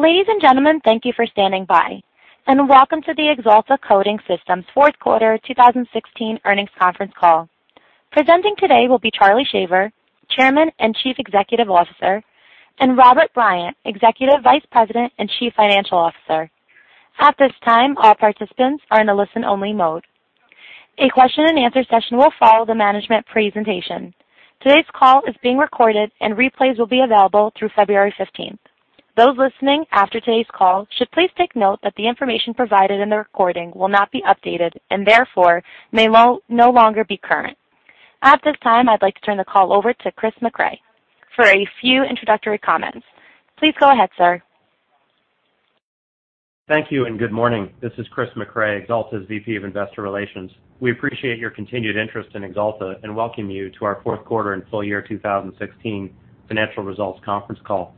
Ladies and gentlemen, thank you for standing by, and welcome to the Axalta Coating Systems fourth quarter 2016 earnings conference call. Presenting today will be Charlie Shaver, Chairman and Chief Executive Officer, and Robert Bryant, Executive Vice President and Chief Financial Officer. At this time, all participants are in a listen-only mode. A question and answer session will follow the management presentation. Today's call is being recorded, and replays will be available through February 15th. Those listening after today's call should please take note that the information provided in the recording will not be updated, and therefore, may no longer be current. At this time, I'd like to turn the call over to Chris Mecray for a few introductory comments. Please go ahead, sir. Thank you and good morning. This is Chris Mecray, Axalta's VP of Investor Relations. We appreciate your continued interest in Axalta, and welcome you to our fourth quarter and full year 2016 financial results conference call.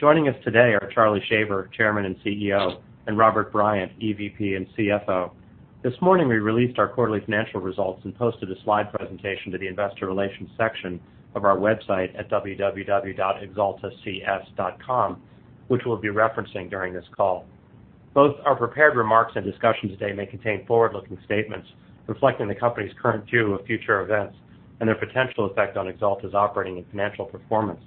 Joining us today are Charlie Shaver, Chairman and CEO, and Robert Bryant, EVP and CFO. This morning, we released our quarterly financial results and posted a slide presentation to the investor relations section of our website at www.axaltacs.com, which we'll be referencing during this call. Both our prepared remarks and discussion today may contain forward-looking statements reflecting the company's current view of future events and their potential effect on Axalta's operating and financial performance.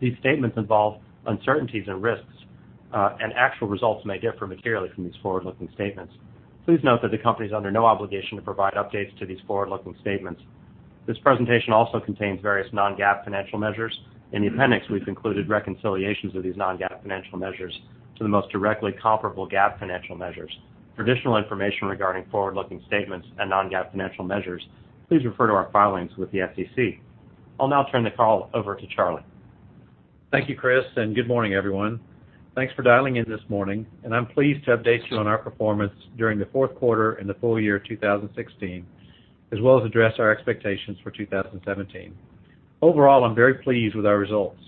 These statements involve uncertainties and risks, and actual results may differ materially from these forward-looking statements. Please note that the company is under no obligation to provide updates to these forward-looking statements. This presentation also contains various non-GAAP financial measures. In the appendix, we've included reconciliations of these non-GAAP financial measures to the most directly comparable GAAP financial measures. For additional information regarding forward-looking statements and non-GAAP financial measures, please refer to our filings with the SEC. I'll now turn the call over to Charlie. Thank you, Chris, and good morning, everyone. Thanks for dialing in this morning, and I'm pleased to update you on our performance during the fourth quarter and the full year 2016, as well as address our expectations for 2017. Overall, I'm very pleased with our results.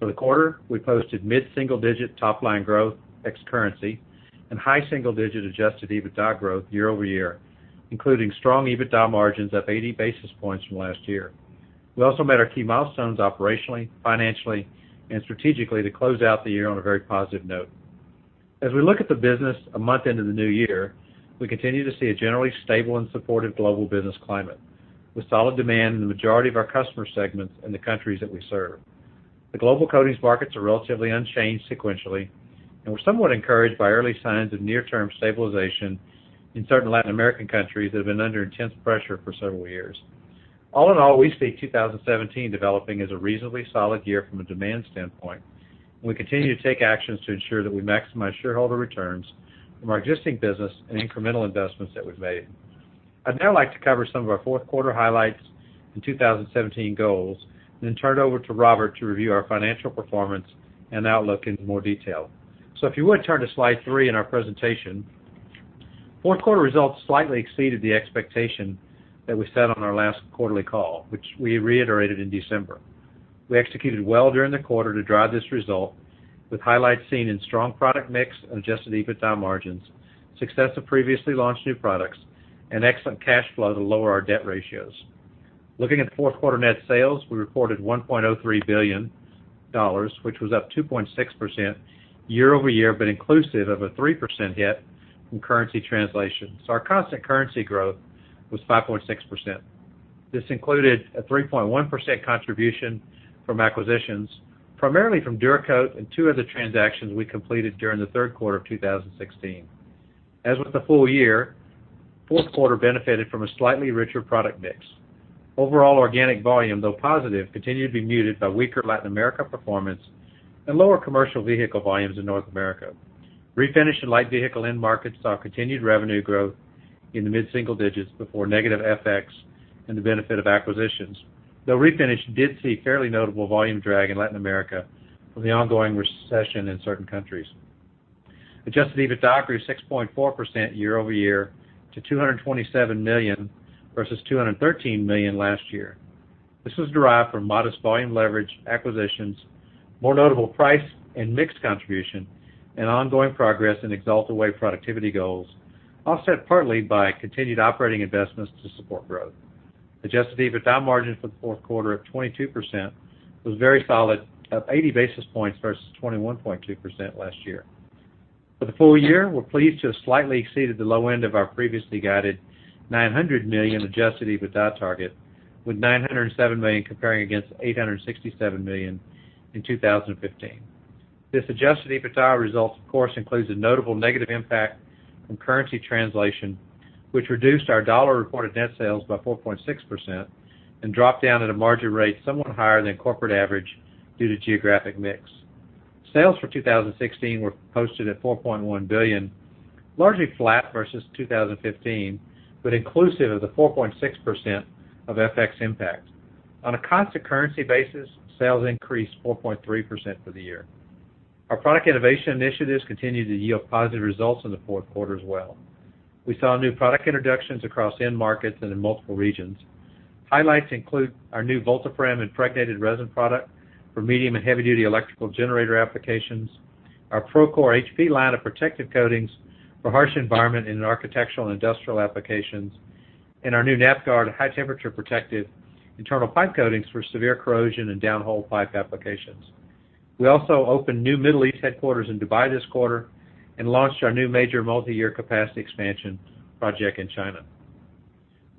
For the quarter, we posted mid-single-digit top-line growth ex currency and high single-digit adjusted EBITDA growth year-over-year, including strong EBITDA margins up 80 basis points from last year. We also met our key milestones operationally, financially, and strategically to close out the year on a very positive note. As we look at the business a month into the new year, we continue to see a generally stable and supportive global business climate with solid demand in the majority of our customer segments in the countries that we serve. The global coatings markets are relatively unchanged sequentially. We're somewhat encouraged by early signs of near-term stabilization in certain Latin American countries that have been under intense pressure for several years. All in all, we see 2017 developing as a reasonably solid year from a demand standpoint. We continue to take actions to ensure that we maximize shareholder returns from our existing business and incremental investments that we've made. I'd now like to cover some of our fourth quarter highlights and 2017 goals. Then turn it over to Robert to review our financial performance and outlook into more detail. If you would turn to Slide 3 in our presentation. Fourth quarter results slightly exceeded the expectation that we set on our last quarterly call, which we reiterated in December. We executed well during the quarter to drive this result, with highlights seen in strong product mix and adjusted EBITDA margins, success of previously launched new products, and excellent cash flow to lower our debt ratios. Looking at fourth quarter net sales, we reported $1.03 billion, which was up 2.6% year-over-year. Inclusive of a 3% hit from currency translation, our constant currency growth was 5.6%. This included a 3.1% contribution from acquisitions, primarily from DuraCoat and two other transactions we completed during the third quarter of 2016. As with the full year, fourth quarter benefited from a slightly richer product mix. Overall organic volume, though positive, continued to be muted by weaker Latin America performance and lower commercial vehicle volumes in North America. Refinish and light vehicle end markets saw continued revenue growth in the mid-single digits before negative FX. The benefit of acquisitions, though Refinish did see fairly notable volume drag in Latin America from the ongoing recession in certain countries. Adjusted EBITDA grew 6.4% year-over-year to $227 million versus $213 million last year. This was derived from modest volume leverage, acquisitions, more notable price and mix contribution, and ongoing progress in Axalta Way productivity goals, offset partly by continued operating investments to support growth. Adjusted EBITDA margin for the fourth quarter of 22% was very solid, up 80 basis points versus 21.2% last year. For the full year, we're pleased to have slightly exceeded the low end of our previously guided $900 million adjusted EBITDA target, with $907 million comparing against $867 million in 2015. This adjusted EBITDA result, of course, includes a notable negative impact from currency translation, which reduced our dollar-reported net sales by 4.6% and dropped down at a margin rate somewhat higher than corporate average due to geographic mix. Sales for 2016 were posted at $4.1 billion, largely flat versus 2015. Inclusive of the 4.6% of FX impact, on a constant currency basis, sales increased 4.3% for the year. Our product innovation initiatives continued to yield positive results in the fourth quarter as well. We saw new product introductions across end markets and in multiple regions. Highlights include our new Voltaprem impregnated resin product for medium and heavy-duty electrical generator applications, our Procor HP line of protective coatings for harsh environment in architectural and industrial applications. Our new Nap-Gard high-temperature protective internal pipe coatings for severe corrosion and downhole pipe applications. We also opened new Middle East headquarters in Dubai this quarter and launched our new major multi-year capacity expansion project in China.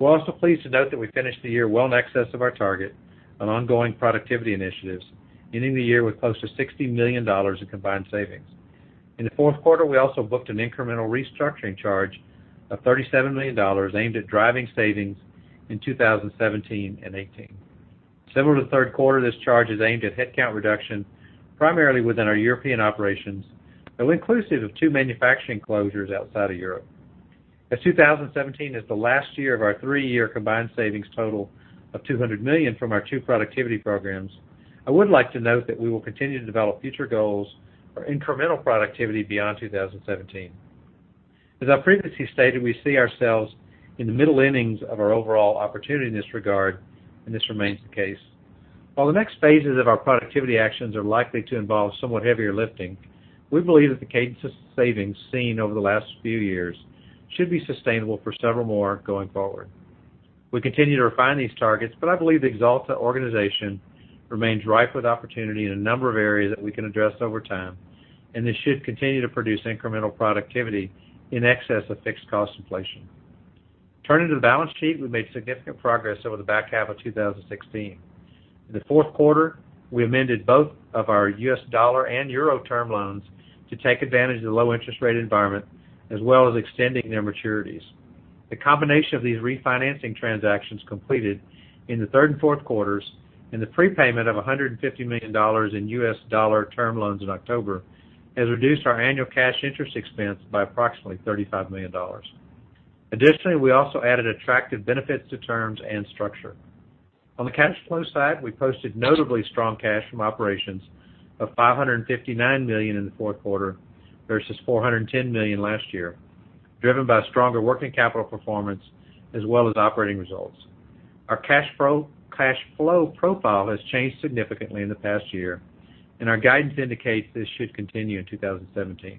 We are also pleased to note that we finished the year well in excess of our target on ongoing productivity initiatives, ending the year with close to $60 million in combined savings. In the fourth quarter, we also booked an incremental restructuring charge of $37 million aimed at driving savings in 2017 and 2018. Similar to the third quarter, this charge is aimed at headcount reduction, primarily within our European operations, though inclusive of two manufacturing closures outside of Europe. As 2017 is the last year of our three-year combined savings total of $200 million from our two productivity programs, I would like to note that we will continue to develop future goals for incremental productivity beyond 2017. As I previously stated, we see ourselves in the middle innings of our overall opportunity in this regard, and this remains the case. While the next phases of our productivity actions are likely to involve somewhat heavier lifting, we believe that the cadence of savings seen over the last few years should be sustainable for several more going forward. We continue to refine these targets, I believe the Axalta organization remains ripe with opportunity in a number of areas that we can address over time, and this should continue to produce incremental productivity in excess of fixed cost inflation. Turning to the balance sheet, we made significant progress over the back half of 2016. In the fourth quarter, we amended both of our U.S. dollar and euro term loans to take advantage of the low interest rate environment, as well as extending their maturities. The combination of these refinancing transactions completed in the third and fourth quarters, and the prepayment of $150 million in U.S. dollar term loans in October, has reduced our annual cash interest expense by approximately $35 million. Additionally, we also added attractive benefits to terms and structure. On the cash flow side, we posted notably strong cash from operations of $559 million in the fourth quarter versus $410 million last year, driven by stronger working capital performance as well as operating results. Our cash flow profile has changed significantly in the past year, our guidance indicates this should continue in 2017.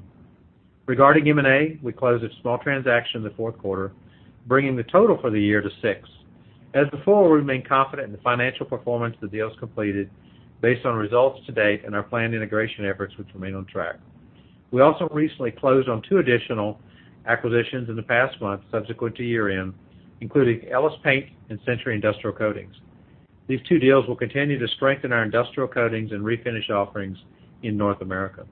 Regarding M&A, we closed a small transaction in the fourth quarter, bringing the total for the year to six. As before, we remain confident in the financial performance of the deals completed based on results to date and our planned integration efforts, which remain on track. We also recently closed on two additional acquisitions in the past month subsequent to year-end, including Ellis Paint and Century Industrial Coatings. These two deals will continue to strengthen our industrial coatings and refinish offerings in North America.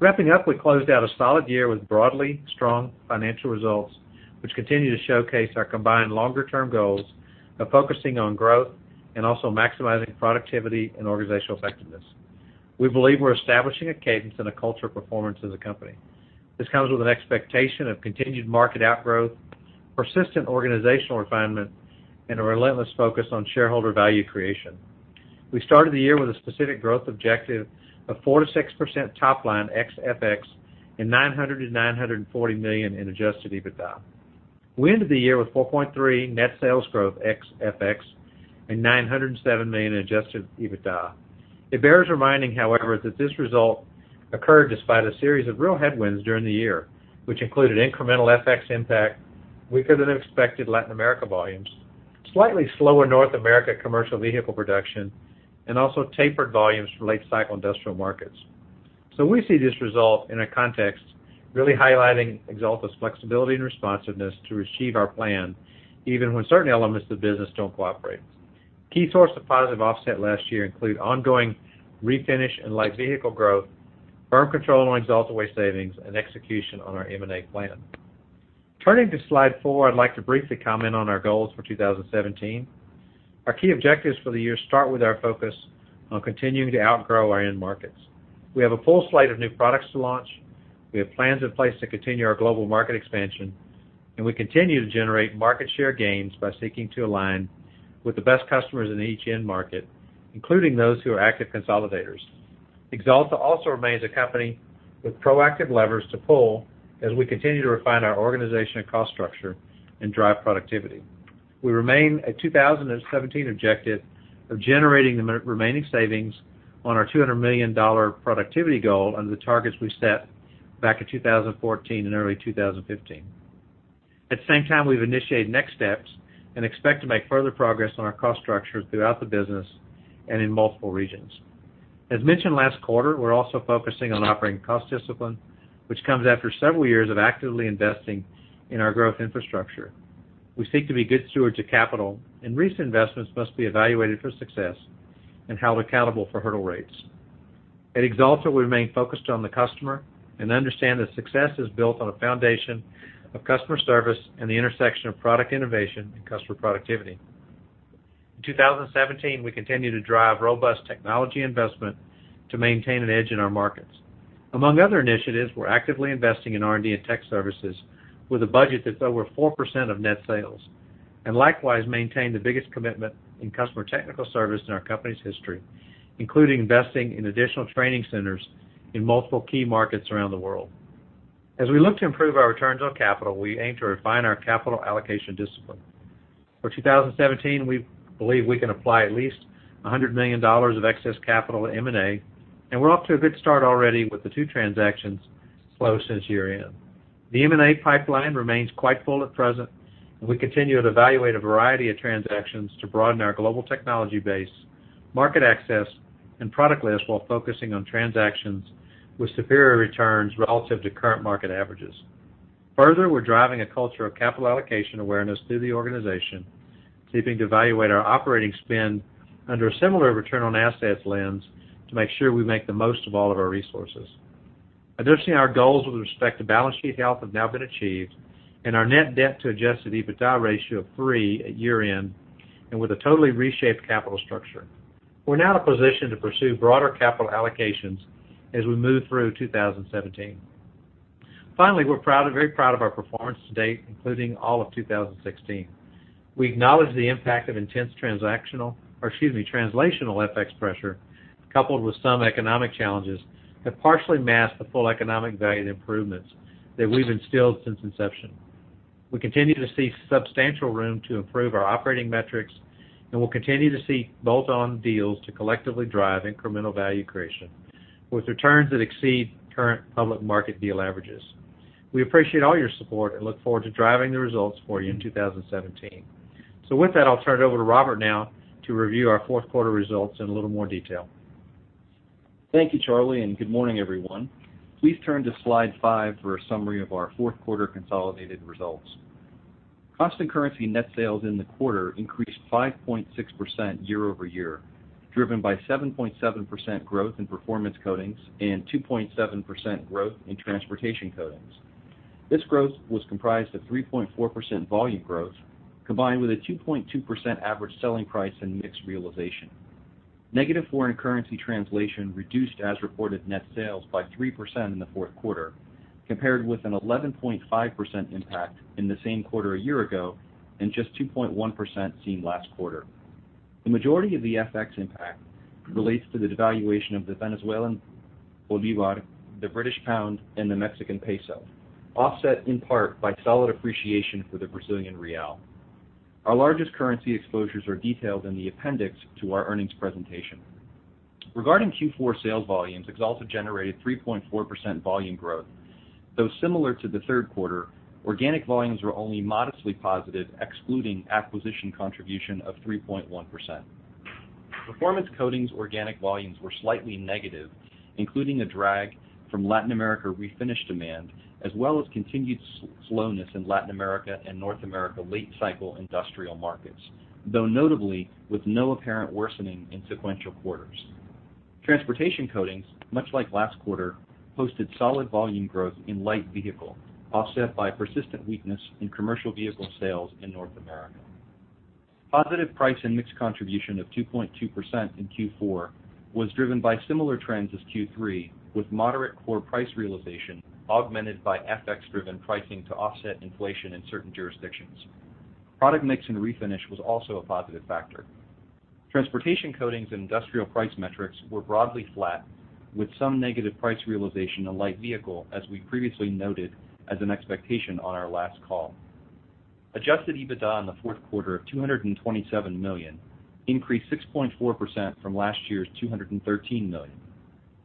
Wrapping up, we closed out a solid year with broadly strong financial results, which continue to showcase our combined longer-term goals of focusing on growth and also maximizing productivity and organizational effectiveness. We believe we are establishing a cadence and a culture of performance as a company. This comes with an expectation of continued market outgrowth, persistent organizational refinement, and a relentless focus on shareholder value creation. We started the year with a specific growth objective of 4%-6% top line ex FX and $900 million-$940 million in adjusted EBITDA. We ended the year with 4.3% net sales growth ex FX and $907 million in adjusted EBITDA. It bears reminding, however, that this result occurred despite a series of real headwinds during the year, which included incremental FX impact, weaker-than-expected Latin America volumes, slightly slower North America commercial vehicle production, and also tapered volumes from late cycle industrial markets. We see this result in a context really highlighting Axalta's flexibility and responsiveness to achieve our plan, even when certain elements of the business don't cooperate. Key source of positive offset last year include ongoing refinish and light vehicle growth, burn control on Axalta Way savings, and execution on our M&A plan. Turning to slide four, I'd like to briefly comment on our goals for 2017. Our key objectives for the year start with our focus on continuing to outgrow our end markets. We have a full slate of new products to launch. We have plans in place to continue our global market expansion, and we continue to generate market share gains by seeking to align with the best customers in each end market, including those who are active consolidators. Axalta also remains a company with proactive levers to pull as we continue to refine our organization and cost structure and drive productivity. We remain a 2017 objective of generating the remaining savings on our $200 million productivity goal under the targets we set back in 2014 and early 2015. At the same time, we've initiated next steps and expect to make further progress on our cost structure throughout the business and in multiple regions. As mentioned last quarter, we're also focusing on operating cost discipline, which comes after several years of actively investing in our growth infrastructure. We seek to be good stewards of capital. Recent investments must be evaluated for success and held accountable for hurdle rates. At Axalta, we remain focused on the customer and understand that success is built on a foundation of customer service and the intersection of product innovation and customer productivity. In 2017, we continue to drive robust technology investment to maintain an edge in our markets. Among other initiatives, we're actively investing in R&D and tech services with a budget that's over 4% of net sales. Likewise, maintain the biggest commitment in customer technical service in our company's history, including investing in additional training centers in multiple key markets around the world. As we look to improve our returns on capital, we aim to refine our capital allocation discipline. For 2017, we believe we can apply at least $100 million of excess capital to M&A. We're off to a good start already with the two transactions closed since year-end. The M&A pipeline remains quite full at present, and we continue to evaluate a variety of transactions to broaden our global technology base, market access, and product lists while focusing on transactions with superior returns relative to current market averages. Further, we're driving a culture of capital allocation awareness through the organization, seeking to evaluate our operating spend under a similar return on assets lens to make sure we make the most of all of our resources. I do see our goals with respect to balance sheet health have now been achieved and our net debt to adjusted EBITDA ratio of three at year-end and with a totally reshaped capital structure. We're now in a position to pursue broader capital allocations as we move through 2017. Finally, we're very proud of our performance to date, including all of 2016. We acknowledge the impact of intense translational FX pressure coupled with some economic challenges that partially masked the full economic value improvements that we've instilled since inception. We continue to see substantial room to improve our operating metrics, and we'll continue to see bolt-on deals to collectively drive incremental value creation with returns that exceed current public market deal averages. We appreciate all your support and look forward to driving the results for you in 2017. With that, I'll turn it over to Robert now to review our fourth quarter results in a little more detail. Thank you, Charlie, and good morning, everyone. Please turn to slide five for a summary of our fourth quarter consolidated results. Constant currency net sales in the quarter increased 5.6% year-over-year, driven by 7.7% growth in Performance Coatings and 2.7% growth in Transportation Coatings. This growth was comprised of 3.4% volume growth, combined with a 2.2% average selling price and mix realization. Negative foreign currency translation reduced as reported net sales by 3% in the fourth quarter, compared with an 11.5% impact in the same quarter a year ago and just 2.1% seen last quarter. The majority of the FX impact relates to the devaluation of the Venezuelan bolivar, the British pound, and the Mexican peso, offset in part by solid appreciation for the Brazilian real. Our largest currency exposures are detailed in the appendix to our earnings presentation. Regarding Q4 sales volumes, Axalta generated 3.4% volume growth. Though similar to the third quarter, organic volumes were only modestly positive, excluding acquisition contribution of 3.1%. Performance Coatings organic volumes were slightly negative, including a drag from Latin America refinish demand, as well as continued slowness in Latin America and North America late-cycle industrial markets, though notably, with no apparent worsening in sequential quarters. Transportation Coatings, much like last quarter, posted solid volume growth in light vehicle, offset by persistent weakness in commercial vehicle sales in North America. Positive price and mix contribution of 2.2% in Q4 was driven by similar trends as Q3, with moderate core price realization augmented by FX-driven pricing to offset inflation in certain jurisdictions. Product mix in Refinish was also a positive factor. Transportation Coatings and Industrial price metrics were broadly flat, with some negative price realization in light vehicle, as we previously noted as an expectation on our last call. Adjusted EBITDA in the fourth quarter of $227 million increased 6.4% from last year's $213 million.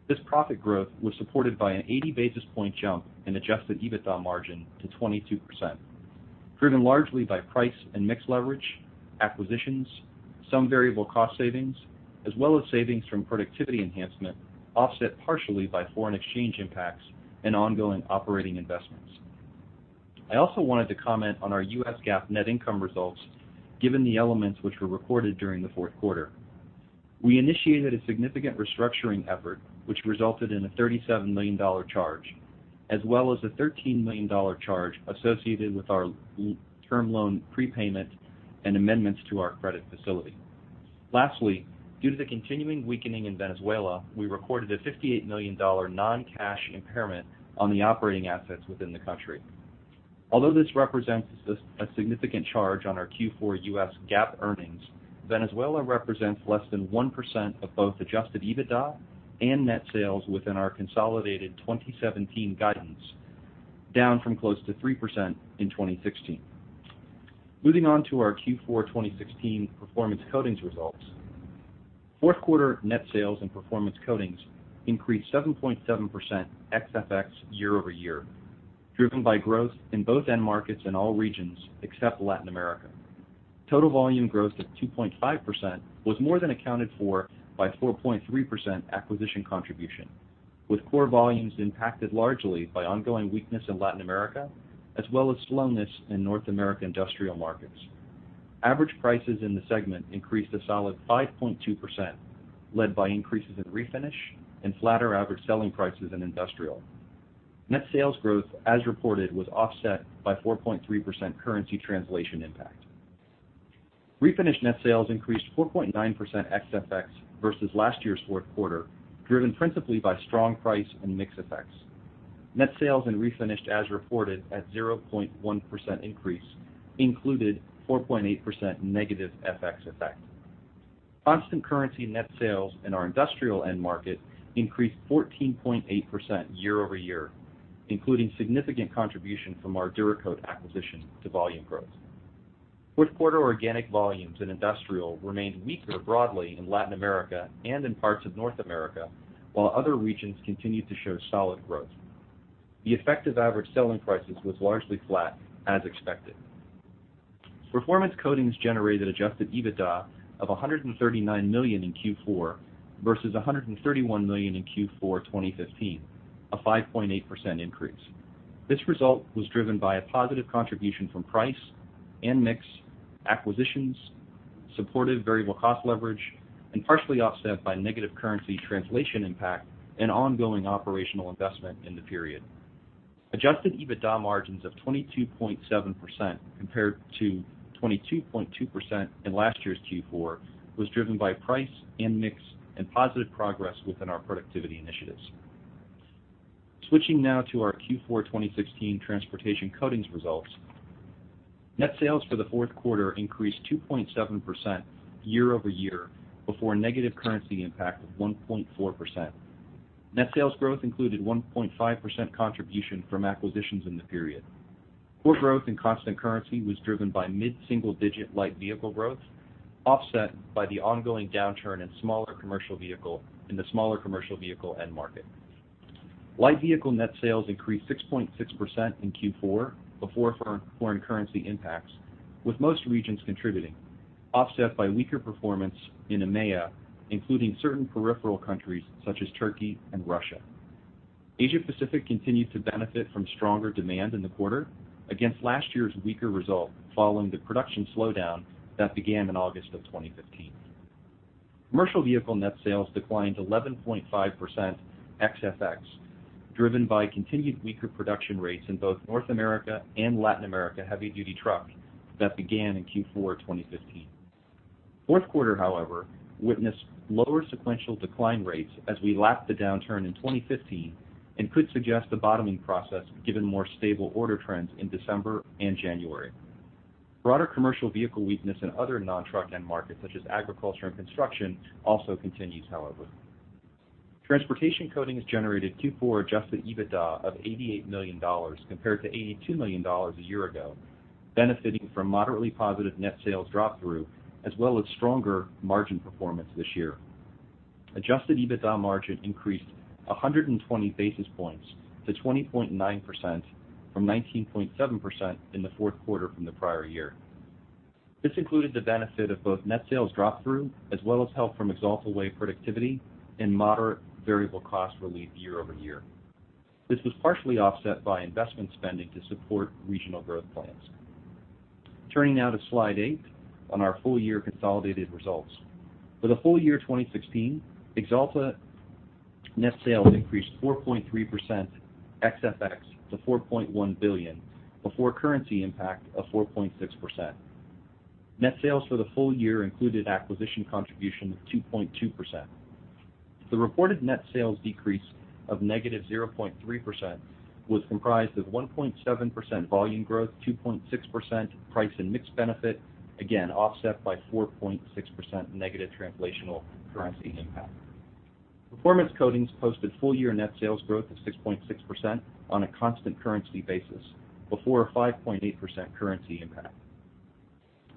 This profit growth was supported by an 80 basis point jump in adjusted EBITDA margin to 22%, driven largely by price and mix leverage, acquisitions, some variable cost savings, as well as savings from productivity enhancement, offset partially by foreign exchange impacts and ongoing operating investments. I also wanted to comment on our U.S. GAAP net income results, given the elements which were recorded during the fourth quarter. We initiated a significant restructuring effort, which resulted in a $37 million charge, as well as a $13 million charge associated with our term loan prepayment and amendments to our credit facility. Lastly, due to the continuing weakening in Venezuela, we recorded a $58 million non-cash impairment on the operating assets within the country. Although this represents a significant charge on our Q4 U.S. GAAP earnings, Venezuela represents less than 1% of both adjusted EBITDA and net sales within our consolidated 2017 guidance, down from close to 3% in 2016. Moving on to our Q4 2016 Performance Coatings results. Fourth quarter net sales in Performance Coatings increased 7.7% ex FX year-over-year, driven by growth in both end markets and all regions except Latin America. Total volume growth of 2.5% was more than accounted for by 4.3% acquisition contribution, with core volumes impacted largely by ongoing weakness in Latin America, as well as slowness in North America industrial markets. Average prices in the segment increased a solid 5.2%, led by increases in Refinish and flatter average selling prices in Industrial. Net sales growth, as reported, was offset by 4.3% currency translation impact. Refinish net sales increased 4.9% ex FX versus last year's fourth quarter, driven principally by strong price and mix effects. Net sales in Refinish, as reported, at 0.1% increase included 4.8% negative FX effect. Constant currency net sales in our industrial end market increased 14.8% year-over-year, including significant contribution from our Dura Coat acquisition to volume growth. Fourth quarter organic volumes in industrial remained weaker broadly in Latin America and in parts of North America, while other regions continued to show solid growth. The effective average selling prices was largely flat as expected. Performance Coatings generated adjusted EBITDA of $139 million in Q4 versus $131 million in Q4 2015, a 5.8% increase. This result was driven by a positive contribution from price and mix acquisitions, supportive variable cost leverage, and partially offset by negative currency translation impact and ongoing operational investment in the period. Adjusted EBITDA margins of 22.7% compared to 22.2% in last year's Q4 was driven by price and mix and positive progress within our productivity initiatives. Switching now to our Q4 2016 Transportation Coatings results. Net sales for the fourth quarter increased 2.7% year-over-year before negative currency impact of 1.4%. Net sales growth included 1.5% contribution from acquisitions in the period. Poor growth in constant currency was driven by mid-single-digit light vehicle growth, offset by the ongoing downturn in the smaller commercial vehicle end market. Light vehicle net sales increased 6.6% in Q4 before foreign currency impacts, with most regions contributing, offset by weaker performance in EMEIA, including certain peripheral countries such as Turkey and Russia. Asia Pacific continued to benefit from stronger demand in the quarter against last year's weaker result following the production slowdown that began in August of 2015. Commercial vehicle net sales declined 11.5% ex FX, driven by continued weaker production rates in both North America and Latin America heavy-duty trucks that began in Q4 2015. Fourth quarter, however, witnessed lower sequential decline rates as we lapped the downturn in 2015 and could suggest a bottoming process given more stable order trends in December and January. Broader commercial vehicle weakness in other non-truck end markets such as agriculture and construction also continues, however. Transportation Coatings generated Q4 adjusted EBITDA of $88 million compared to $82 million a year ago, benefiting from moderately positive net sales drop-through, as well as stronger margin performance this year. Adjusted EBITDA margin increased 120 basis points to 20.9% from 19.7% in the fourth quarter from the prior year. This included the benefit of both net sales drop-through, as well as help from Axalta Way productivity and moderate variable cost relief year-over-year. This was partially offset by investment spending to support regional growth plans. Turning now to slide eight on our full year consolidated results. For the full year 2016, Axalta net sales increased 4.3% ex FX to $4.1 billion before currency impact of 4.6%. Net sales for the full year included acquisition contribution of 2.2%. The reported net sales decrease of -0.3% was comprised of 1.7% volume growth, 2.6% price and mix benefit, again, offset by 4.6% negative translational currency impact. Performance Coatings posted full year net sales growth of 6.6% on a constant currency basis before a 5.8% currency impact.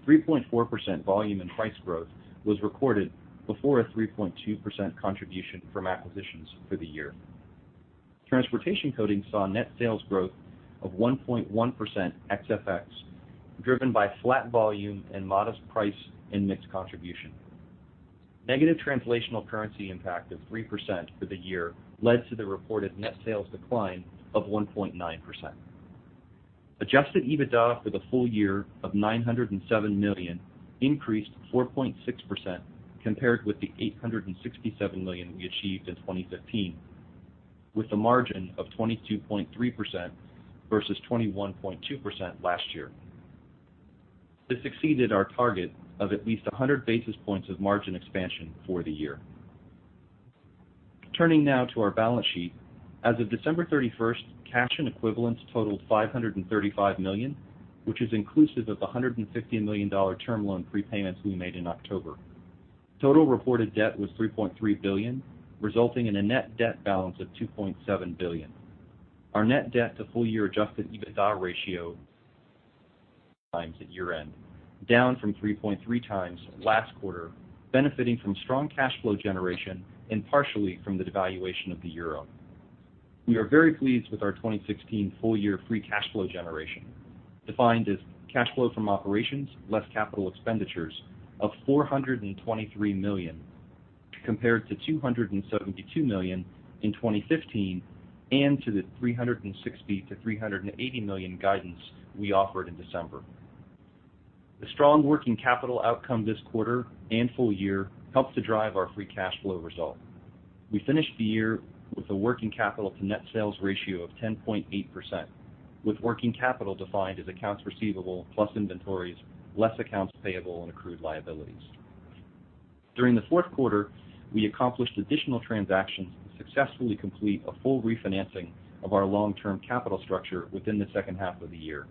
3.4% volume and price growth was recorded before a 3.2% contribution from acquisitions for the year. Transportation Coatings saw net sales growth of 1.1% ex FX, driven by flat volume and modest price and mix contribution. Negative translational currency impact of 3% for the year led to the reported net sales decline of 1.9%. Adjusted EBITDA for the full year of $907 million increased 4.6% compared with the $867 million we achieved in 2015, with a margin of 22.3% versus 21.2% last year. This exceeded our target of at least 100 basis points of margin expansion for the year. Turning now to our balance sheet. As of December 31st, cash and equivalents totaled $535 million, which is inclusive of the $150 million term loan prepayments we made in October. Total reported debt was $3.3 billion, resulting in a net debt balance of $2.7 billion. Our net debt to full year Adjusted EBITDA ratio times at year end, down from 3.3 times last quarter, benefiting from strong cash flow generation and partially from the devaluation of the EUR. We are very pleased with our 2016 full year free cash flow generation, defined as cash flow from operations less capital expenditures of $423 million compared to $272 million in 2015 and to the $360 million-$380 million guidance we offered in December. The strong working capital outcome this quarter and full year helped to drive our free cash flow result. We finished the year with a working capital to net sales ratio of 10.8%, with working capital defined as accounts receivable plus inventories less accounts payable and accrued liabilities. During the fourth quarter, we accomplished additional transactions to successfully complete a full refinancing of our long-term capital structure within the second half of the year.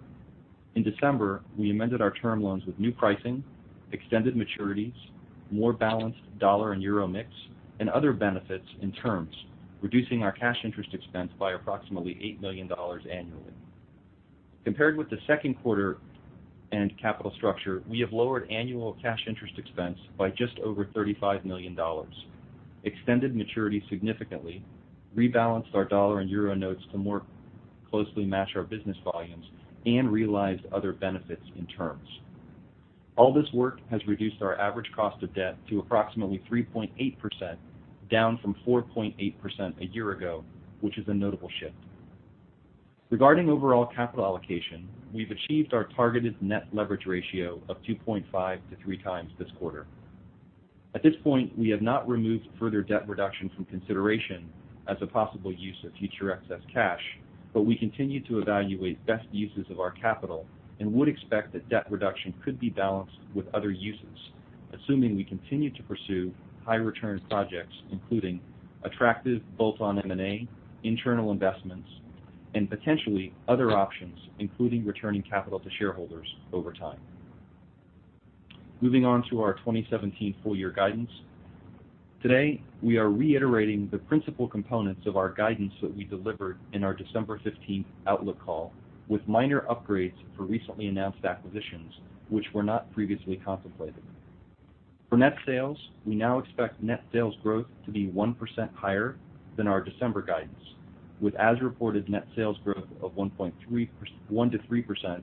In December, we amended our term loans with new pricing, extended maturities, more balanced USD and EUR mix, and other benefits in terms, reducing our cash interest expense by approximately $8 million annually. Compared with the second quarter and capital structure, we have lowered annual cash interest expense by just over $35 million, extended maturity significantly, rebalanced our USD and EUR notes to more closely match our business volumes, and realized other benefits in terms. All this work has reduced our average cost of debt to approximately 3.8%, down from 4.8% a year ago, which is a notable shift. Regarding overall capital allocation, we've achieved our targeted net leverage ratio of 2.5 to 3 times this quarter. At this point, we have not removed further debt reduction from consideration as a possible use of future excess cash, but we continue to evaluate best uses of our capital and would expect that debt reduction could be balanced with other uses, assuming we continue to pursue high return projects, including attractive bolt-on M&A, internal investments, and potentially other options, including returning capital to shareholders over time. Moving on to our 2017 full year guidance. Today, we are reiterating the principal components of our guidance that we delivered in our December 15th outlook call, with minor upgrades for recently announced acquisitions, which were not previously contemplated. For net sales, we now expect net sales growth to be 1% higher than our December guidance, with as-reported net sales growth of 1%-3%,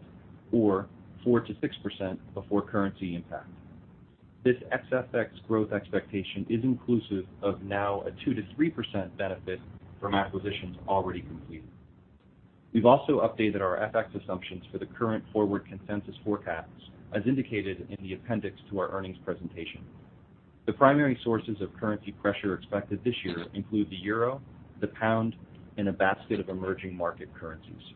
or 4%-6% before currency impact. This FX growth expectation is inclusive of now a 2%-3% benefit from acquisitions already completed. We've also updated our FX assumptions for the current forward consensus forecasts as indicated in the appendix to our earnings presentation. The primary sources of currency pressure expected this year include the euro, the pound, and a basket of emerging market currencies.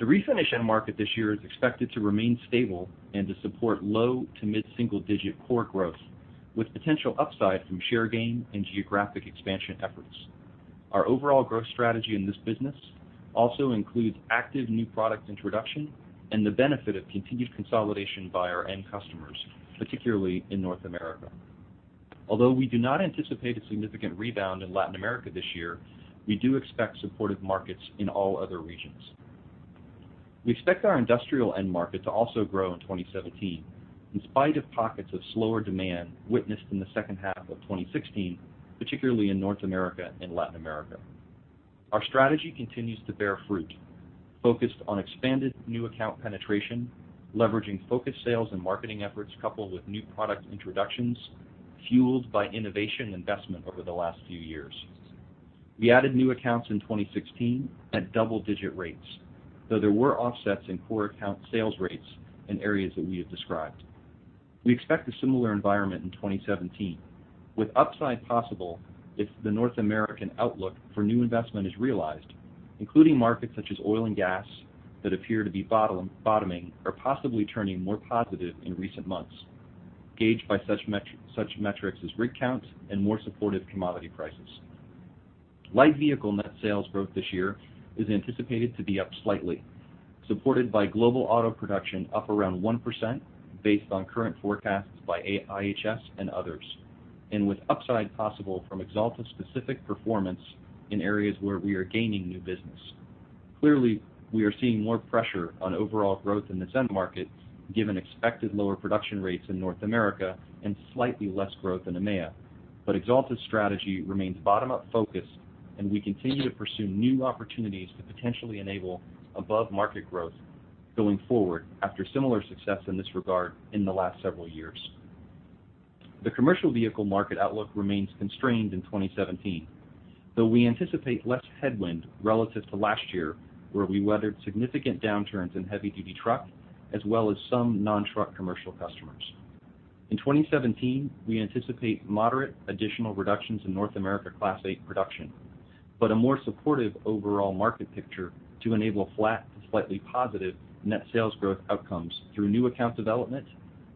The Refinish end market this year is expected to remain stable and to support low- to mid-single digit core growth, with potential upside from share gain and geographic expansion efforts. Our overall growth strategy in this business also includes active new product introduction and the benefit of continued consolidation by our end customers, particularly in North America. Although we do not anticipate a significant rebound in Latin America this year, we do expect supportive markets in all other regions. We expect our industrial end market to also grow in 2017, in spite of pockets of slower demand witnessed in the second half of 2016, particularly in North America and Latin America. Our strategy continues to bear fruit, focused on expanded new account penetration, leveraging focused sales and marketing efforts coupled with new product introductions fueled by innovation investment over the last few years. We added new accounts in 2016 at double-digit rates, though there were offsets in core account sales rates in areas that we have described. We expect a similar environment in 2017, with upside possible if the North American outlook for new investment is realized, including markets such as oil and gas that appear to be bottoming or possibly turning more positive in recent months, gauged by such metrics as rig count and more supportive commodity prices. Light vehicle net sales growth this year is anticipated to be up slightly, supported by global auto production up around 1% based on current forecasts by IHS and others, and with upside possible from Axalta's specific performance in areas where we are gaining new business. Clearly, we are seeing more pressure on overall growth in this end market, given expected lower production rates in North America and slightly less growth in EMEIA. Axalta's strategy remains bottom-up focused, and we continue to pursue new opportunities to potentially enable above-market growth going forward after similar success in this regard in the last several years. The commercial vehicle market outlook remains constrained in 2017, though we anticipate less headwind relative to last year, where we weathered significant downturns in heavy-duty truck, as well as some non-truck commercial customers. In 2017, we anticipate moderate additional reductions in North America Class 8 production, but a more supportive overall market picture to enable flat to slightly positive net sales growth outcomes through new account development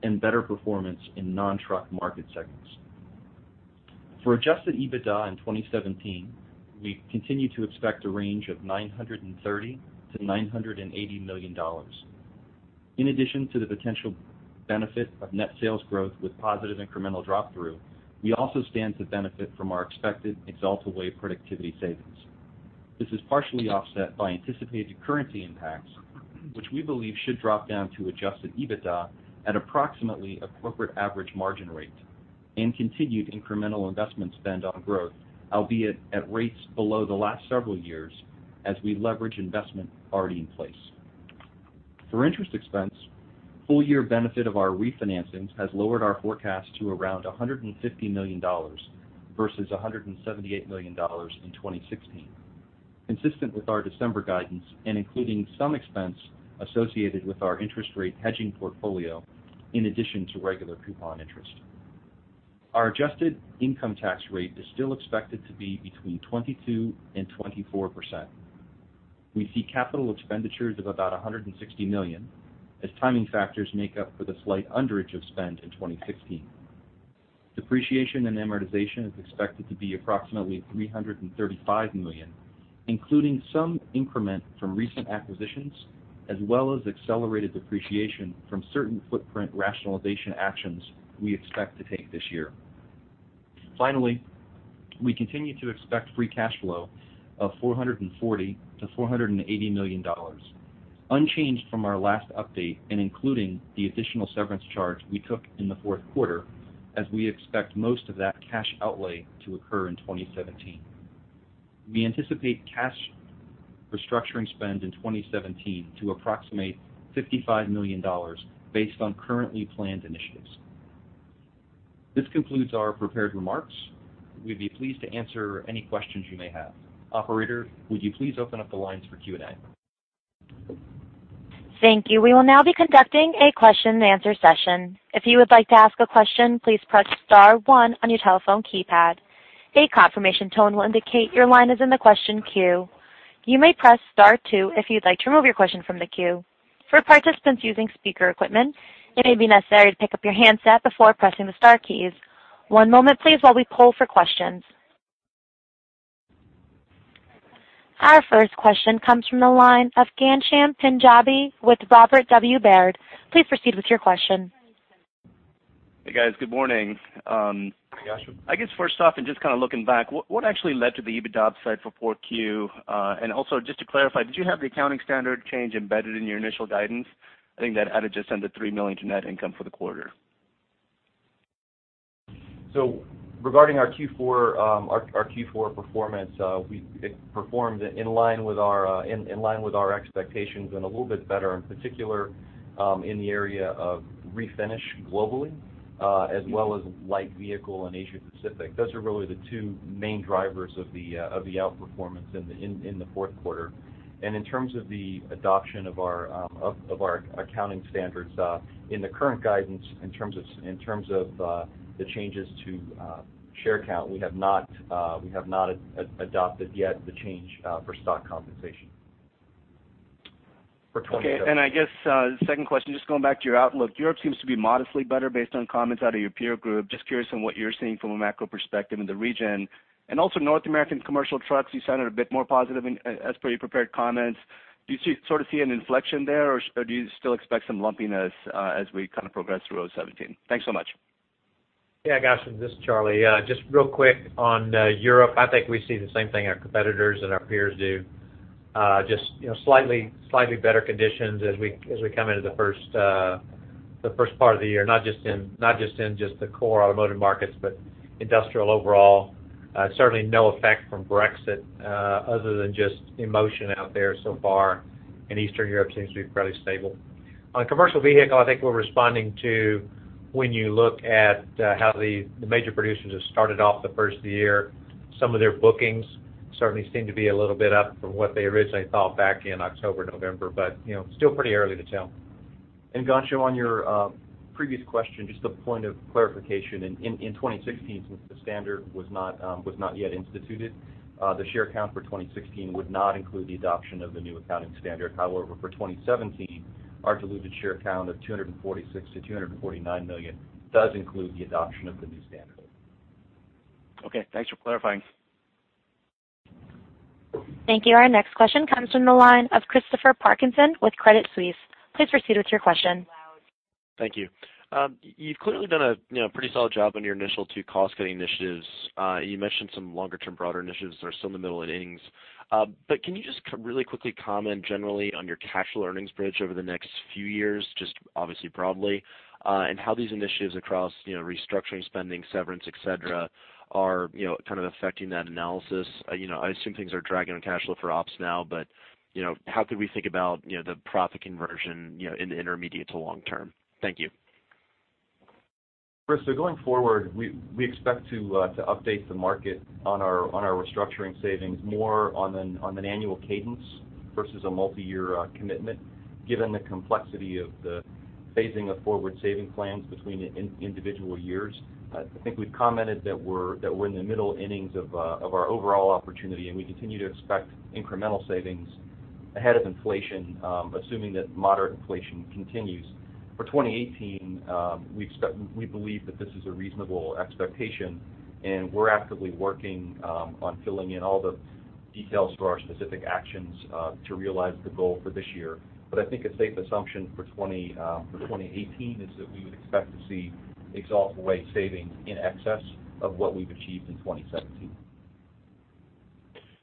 and better performance in non-truck market segments. For adjusted EBITDA in 2017, we continue to expect a range of $930 million-$980 million. In addition to the potential benefit of net sales growth with positive incremental drop-through, we also stand to benefit from our expected Axalta Way productivity savings. This is partially offset by anticipated currency impacts, which we believe should drop down to adjusted EBITDA at approximately a corporate average margin rate and continued incremental investment spend on growth, albeit at rates below the last several years as we leverage investment already in place. For interest expense, full year benefit of our refinancings has lowered our forecast to around $150 million versus $178 million in 2016, consistent with our December guidance and including some expense associated with our interest rate hedging portfolio in addition to regular coupon interest. Our adjusted income tax rate is still expected to be between 22%-24%. We see capital expenditures of about $160 million, as timing factors make up for the slight underage of spend in 2016. Depreciation and amortization is expected to be approximately $335 million, including some increment from recent acquisitions, as well as accelerated depreciation from certain footprint rationalization actions we expect to take this year. Finally, we continue to expect free cash flow of $440 million-$480 million, unchanged from our last update and including the additional severance charge we took in the fourth quarter, as we expect most of that cash outlay to occur in 2017. We anticipate cash restructuring spend in 2017 to approximate $55 million based on currently planned initiatives. This concludes our prepared remarks. We'd be pleased to answer any questions you may have. Operator, would you please open up the lines for Q&A? Thank you. We will now be conducting a question and answer session. If you would like to ask a question, please press star one on your telephone keypad. A confirmation tone will indicate your line is in the question queue. You may press star two if you'd like to remove your question from the queue. For participants using speaker equipment, it may be necessary to pick up your handset before pressing the star keys. One moment please while we poll for questions. Our first question comes from the line of Ghansham Panjabi with Robert W. Baird. Please proceed with your question. Hey, guys. Good morning. Hey, Ghansham. I guess first off, just kind of looking back, what actually led to the EBITDA upside for Q4? Also, just to clarify, did you have the accounting standard change embedded in your initial guidance? I think that added just under $3 million to net income for the quarter. Regarding our Q4 performance, it performed in line with our expectations and a little bit better, in particular in the area of refinish globally, as well as light vehicle and Asia Pacific. Those are really the two main drivers of the outperformance in the fourth quarter. In terms of the adoption of our accounting standards, in the current guidance, in terms of the changes to share count, we have not adopted yet the change for stock compensation for 2017. Okay. I guess, second question, just going back to your outlook. Europe seems to be modestly better based on comments out of your peer group. Just curious on what you're seeing from a macro perspective in the region. Also North American Commercial Trucks, you sounded a bit more positive as per your prepared comments. Do you sort of see an inflection there, or do you still expect some lumpiness as we kind of progress through 2017? Thanks so much. Yeah, Ghansham, this is Charlie. Just real quick on Europe, I think we see the same thing our competitors and our peers do. Just slightly better conditions as we come into the first part of the year, not just in the core automotive markets, but industrial overall. Certainly no effect from Brexit other than just emotion out there so far, and Eastern Europe seems to be fairly stable. On commercial vehicle, I think we're responding to when you look at how the major producers have started off the first of the year. Some of their bookings certainly seem to be a little bit up from what they originally thought back in October, November. Still pretty early to tell. Ghansham, on your previous question, just a point of clarification. In 2016, since the standard was not yet instituted, the share count for 2016 would not include the adoption of the new accounting standard. However, for 2017, our diluted share count of $246 million-$249 million does include the adoption of the new standard. Okay, thanks for clarifying. Thank you. Our next question comes from the line of Christopher Parkinson with Credit Suisse. Please proceed with your question. Thank you. You've clearly done a pretty solid job on your initial two cost-cutting initiatives. You mentioned some longer-term broader initiatives that are still in the middle innings. Can you just really quickly comment generally on your cash flow earnings bridge over the next few years, just obviously broadly, and how these initiatives across restructuring, spending, severance, et cetera, are kind of affecting that analysis? I assume things are dragging on cash flow for ops now, but how could we think about the profit conversion in the intermediate to long term? Thank you. Chris, going forward, we expect to update the market on our restructuring savings more on an annual cadence versus a multi-year commitment, given the complexity of the phasing of forward saving plans between individual years. I think we've commented that we're in the middle innings of our overall opportunity, and we continue to expect incremental savings ahead of inflation, assuming that moderate inflation continues. For 2018, we believe that this is a reasonable expectation, and we're actively working on filling in all the details for our specific actions to realize the goal for this year. I think a safe assumption for 2018 is that we would expect to see Axalta Way savings in excess of what we've achieved in 2017.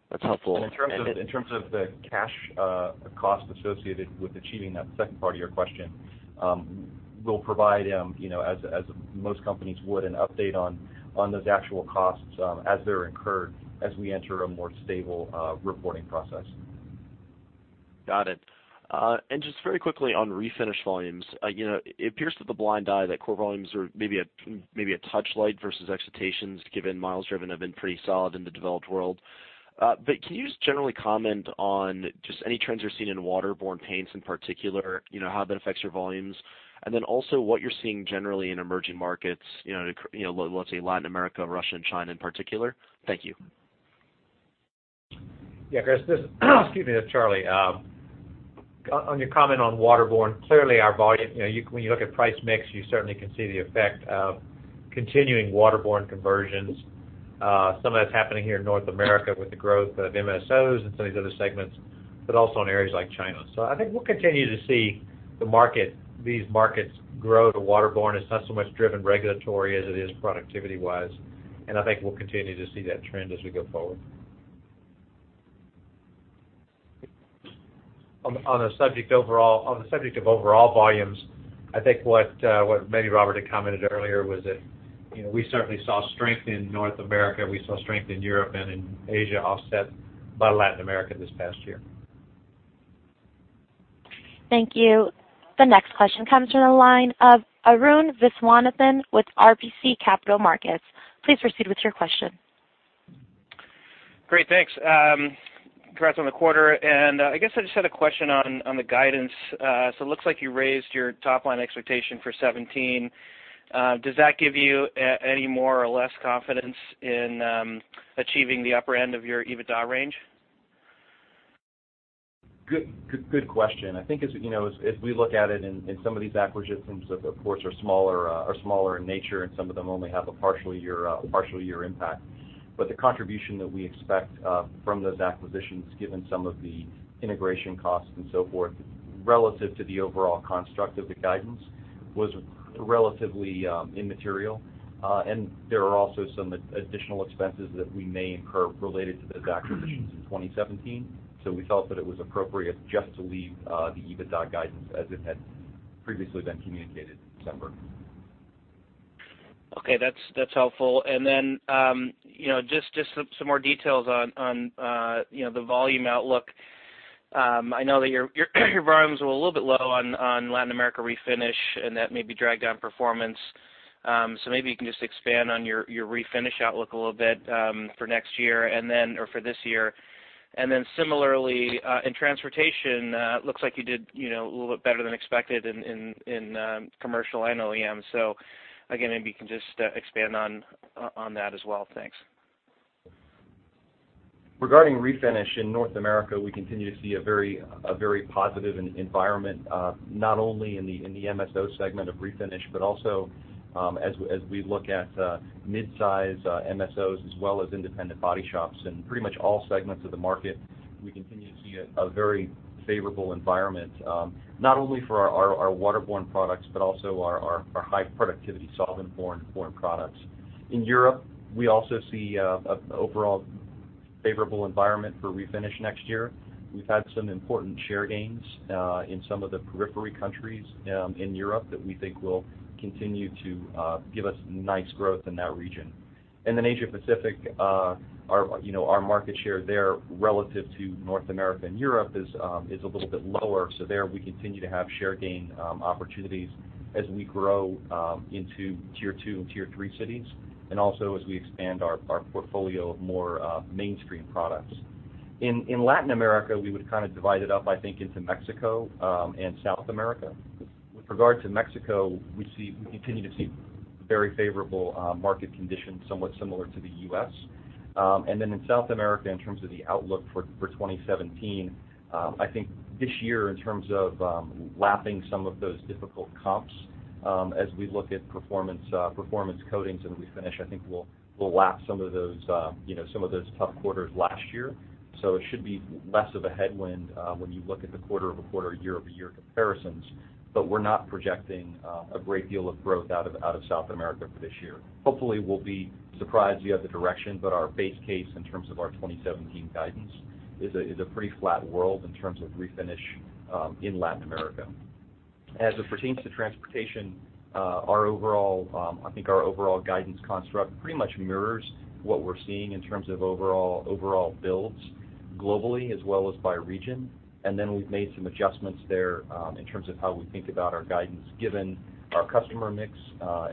That's helpful. In terms of the cash cost associated with achieving that second part of your question, we'll provide as most companies would, an update on those actual costs as they're incurred as we enter a more stable reporting process. Got it. Just very quickly on refinish volumes. It appears through the blind eye that core volumes are maybe a touch light versus expectations, given miles driven have been pretty solid in the developed world. Can you just generally comment on just any trends you're seeing in waterborne in particular, how that affects your volumes? Also what you're seeing generally in emerging markets, let's say Latin America, Russia, and China in particular? Thank you. Yeah, Chris, excuse me, Charlie. On your comment on waterborne, clearly our volume, when you look at price mix, you certainly can see the effect of continuing waterborne conversions. Some of that's happening here in North America with the growth of MSOs and some of these other segments, but also in areas like China. I think we'll continue to see these markets grow to waterborne. It's not so much driven regulatory as it is productivity-wise. I think we'll continue to see that trend as we go forward. On the subject of overall volumes, I think what maybe Robert had commented earlier was that, we certainly saw strength in North America, we saw strength in Europe and in Asia offset by Latin America this past year. Thank you. The next question comes from the line of Arun Viswanathan with RBC Capital Markets. Please proceed with your question. Great, thanks. Congrats on the quarter. I guess I just had a question on the guidance. It looks like you raised your top-line expectation for 2017. Does that give you any more or less confidence in achieving the upper end of your EBITDA range? Good question. I think as we look at it in some of these acquisitions, of course, are smaller in nature, and some of them only have a partial year impact. The contribution that we expect from those acquisitions, given some of the integration costs and so forth relative to the overall construct of the guidance, was relatively immaterial. There are also some additional expenses that we may incur related to those acquisitions in 2017. We felt that it was appropriate just to leave the EBITDA guidance as it had previously been communicated in December. Okay. That's helpful. Just some more details on the volume outlook. I know that your volumes were a little bit low on Latin America Refinish, and that maybe dragged down performance. Maybe you can just expand on your Refinish outlook a little bit for this year. Similarly, in Transportation, looks like you did a little bit better than expected in Commercial and OEM. Again, maybe you can just expand on that as well. Thanks. Regarding Refinish in North America, we continue to see a very positive environment, not only in the MSO segment of Refinish, but also, as we look at mid-size MSOs as well as independent body shops and pretty much all segments of the market, we continue to see a very favorable environment, not only for our waterborne products, but also our high productivity solventborne products. In Europe, we also see an overall favorable environment for Refinish next year. We've had some important share gains, in some of the periphery countries in Europe that we think will continue to give us nice growth in that region. Asia Pacific, our market share there relative to North America and Europe is a little bit lower. There we continue to have share gain opportunities as we grow into tier 2 and tier 3 cities, and also as we expand our portfolio of more mainstream products. In Latin America, we would kind of divide it up, I think, into Mexico, and South America. With regard to Mexico, we continue to see very favorable market conditions, somewhat similar to the U.S. In South America, in terms of the outlook for 2017, I think this year, in terms of lapping some of those difficult comps, as we look at Performance Coatings and Refinish, I think we'll lap some of those tough quarters last year. It should be less of a headwind, when you look at the quarter-over-quarter, year-over-year comparisons. We're not projecting a great deal of growth out of South America for this year. Hopefully, we'll be surprised the other direction, but our base case in terms of our 2017 guidance is a pretty flat world in terms of Refinish in Latin America. It pertains to Transportation, I think our overall guidance construct pretty much mirrors what we're seeing in terms of overall builds globally as well as by region. We've made some adjustments there, in terms of how we think about our guidance, given our customer mix,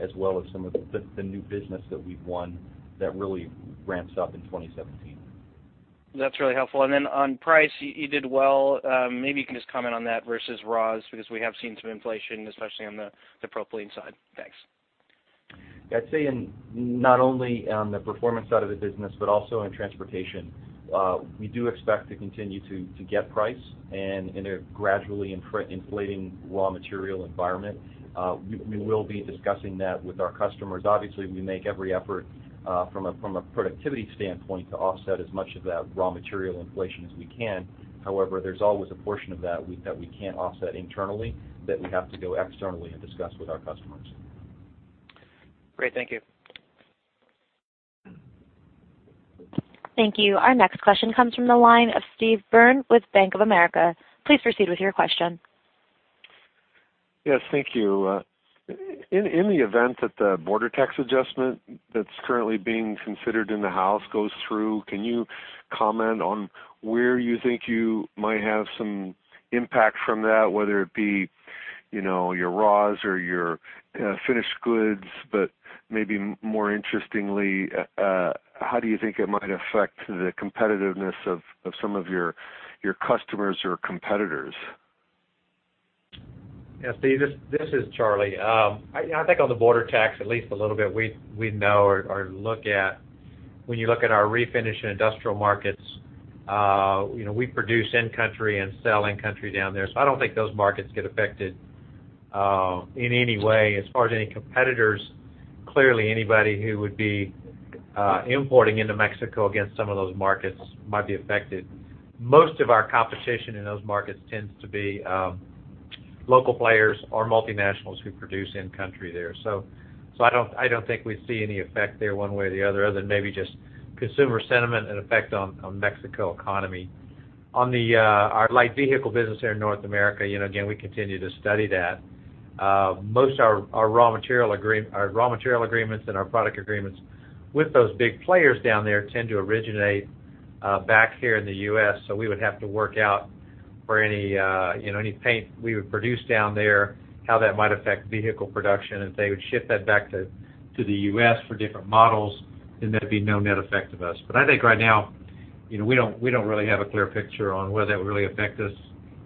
as well as some of the new business that we've won that really ramps up in 2017. That's really helpful. On price, you did well. Maybe you can just comment on that versus raws, because we have seen some inflation, especially on the propylene side. Thanks. I'd say in not only on the Performance side of the business, but also in Transportation, we do expect to continue to get price and in a gradually inflating raw material environment. We will be discussing that with our customers. Obviously, we make every effort, from a productivity standpoint, to offset as much of that raw material inflation as we can. However, there's always a portion of that we can't offset internally that we have to go externally and discuss with our customers. Great. Thank you. Thank you. Our next question comes from the line of Steve Byrne with Bank of America. Please proceed with your question. Yes, thank you. In the event that the border tax adjustment that's currently being considered in the House goes through, can you comment on where you think you might have some impact from that, whether it be your raws or your finished goods, but maybe more interestingly, how do you think it might affect the competitiveness of some of your customers or competitors? Yeah, Steve, this is Charlie. I think on the border tax, at least a little bit, we know or look at when you look at our refinish and industrial markets, we produce in-country and sell in-country down there. I don't think those markets get affected in any way. As far as any competitors, clearly anybody who would be importing into Mexico against some of those markets might be affected. Most of our competition in those markets tends to be local players or multinationals who produce in-country there. I don't think we see any effect there one way or the other than maybe just consumer sentiment and effect on Mexico economy. On our light vehicle business here in North America, again, we continue to study that. Most our raw material agreements and our product agreements with those big players down there tend to originate back here in the U.S. We would have to work out for any paint we would produce down there, how that might affect vehicle production. If they would ship that back to the U.S. for different models, then there'd be no net effect to us. I think right now, we don't really have a clear picture on whether that would really affect us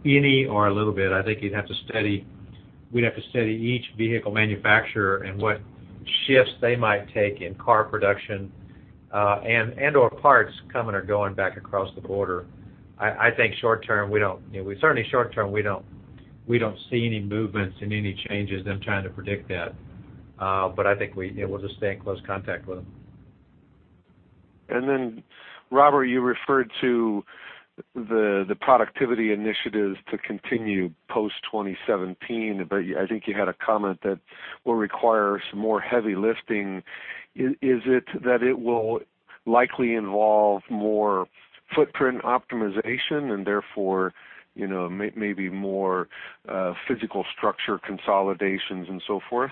any or a little bit. I think we'd have to study each vehicle manufacturer and what shifts they might take in car production and/or parts coming or going back across the border. I think certainly short term, we don't see any movements and any changes in trying to predict that. I think we'll just stay in close contact with them. Robert, you referred to the productivity initiatives to continue post 2017, I think you had a comment that will require some more heavy lifting. Is it that it will likely involve more footprint optimization and therefore, maybe more physical structure consolidations and so forth?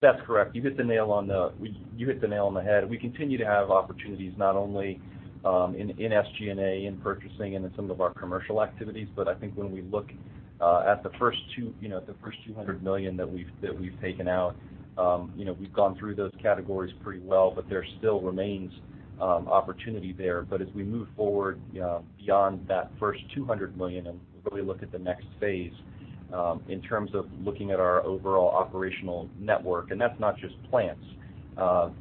That's correct. You hit the nail on the head. We continue to have opportunities not only in SG&A, in purchasing, and in some of our commercial activities. I think when we look at the first $200 million that we've taken out, we've gone through those categories pretty well, there still remains opportunity there. As we move forward beyond that first $200 million and really look at the next phase, in terms of looking at our overall operational network, and that's not just plants,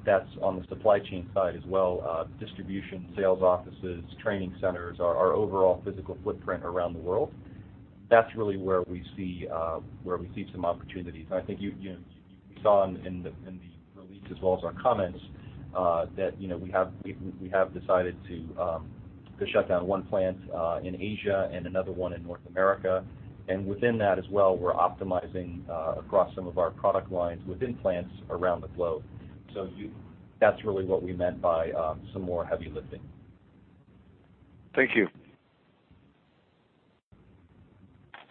that's on the supply chain side as well, distribution, sales offices, training centers, our overall physical footprint around the world. That's really where we see some opportunities. I think you saw in the release as well as our comments, that we have decided to shut down one plant in Asia and another one in North America. Within that as well, we're optimizing across some of our product lines within plants around the globe. That's really what we meant by some more heavy lifting. Thank you.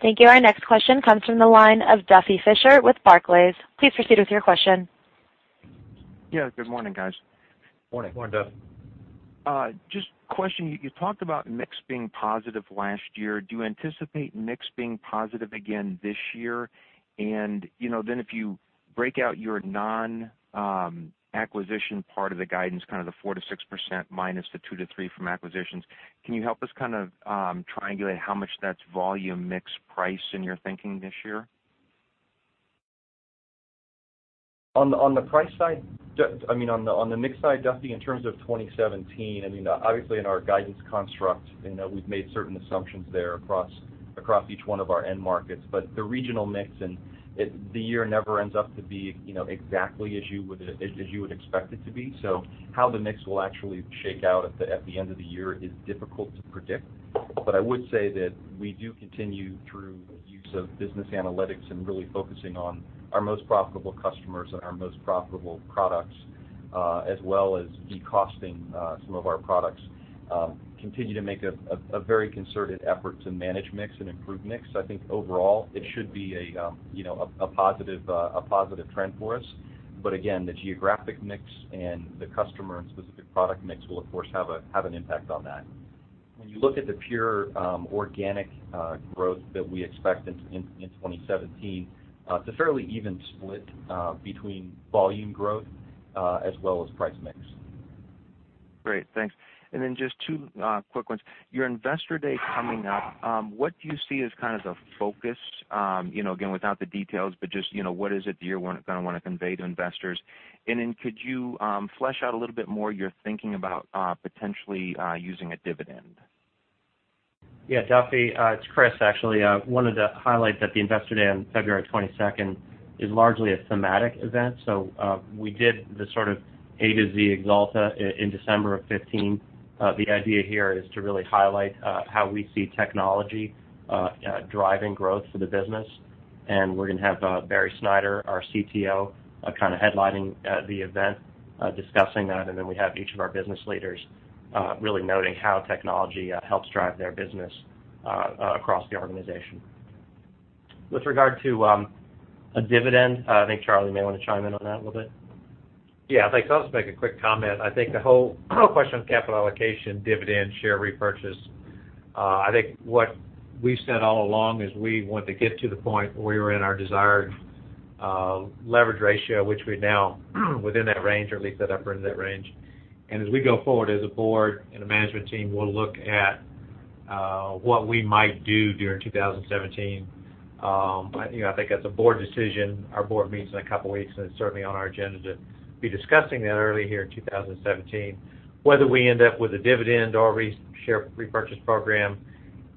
Thank you. Our next question comes from the line of Duffy Fischer with Barclays. Please proceed with your question. Yeah, good morning, guys. Morning. Morning, Duffy. Just question, you talked about mix being positive last year. Do you anticipate mix being positive again this year? If you break out your non-acquisition part of the guidance, kind of the 4%-6% minus the 2%-3% from acquisitions, can you help us kind of triangulate how much that's volume mix price in your thinking this year? On the mix side, Duffy, in terms of 2017, obviously in our guidance construct, we've made certain assumptions there across each one of our end markets. The regional mix, and the year never ends up to be exactly as you would expect it to be. How the mix will actually shake out at the end of the year is difficult to predict. I would say that we do continue through the use of business analytics and really focusing on our most profitable customers and our most profitable products, as well as de-costing some of our products, continue to make a very concerted effort to manage mix and improve mix. I think overall it should be a positive trend for us. Again, the geographic mix and the customer and specific product mix will, of course, have an impact on that. When you look at the pure organic growth that we expect in 2017, it's a fairly even split between volume growth as well as price mix. Great. Thanks. Just two quick ones. Your Investor Day coming up, what do you see as kind of the focus? Again, without the details, but just what is it that you're going to want to convey to investors? Could you flesh out a little bit more your thinking about potentially using a dividend? Yeah, Duffy, it's Chris, actually. Wanted to highlight that the Investor Day on February 22nd is largely a thematic event. We did the sort of A to Z Axalta in December of 2015. The idea here is to really highlight how we see technology driving growth for the business. We're going to have Barry Snyder, our CTO, kind of headlining the event, discussing that. We have each of our business leaders really noting how technology helps drive their business across the organization. With regard to a dividend, I think Charlie may want to chime in on that a little bit. Yeah, I'll just make a quick comment. I think the whole question of capital allocation, dividend, share repurchase, I think what we've said all along is we want to get to the point where we're in our desired Leverage ratio, which we're now within that range, or at least the upper end of that range. As we go forward as a board and a management team, we'll look at what we might do during 2017. I think that's a board decision. Our board meets in a couple of weeks, and it's certainly on our agenda to be discussing that early here in 2017. Whether we end up with a dividend or share repurchase program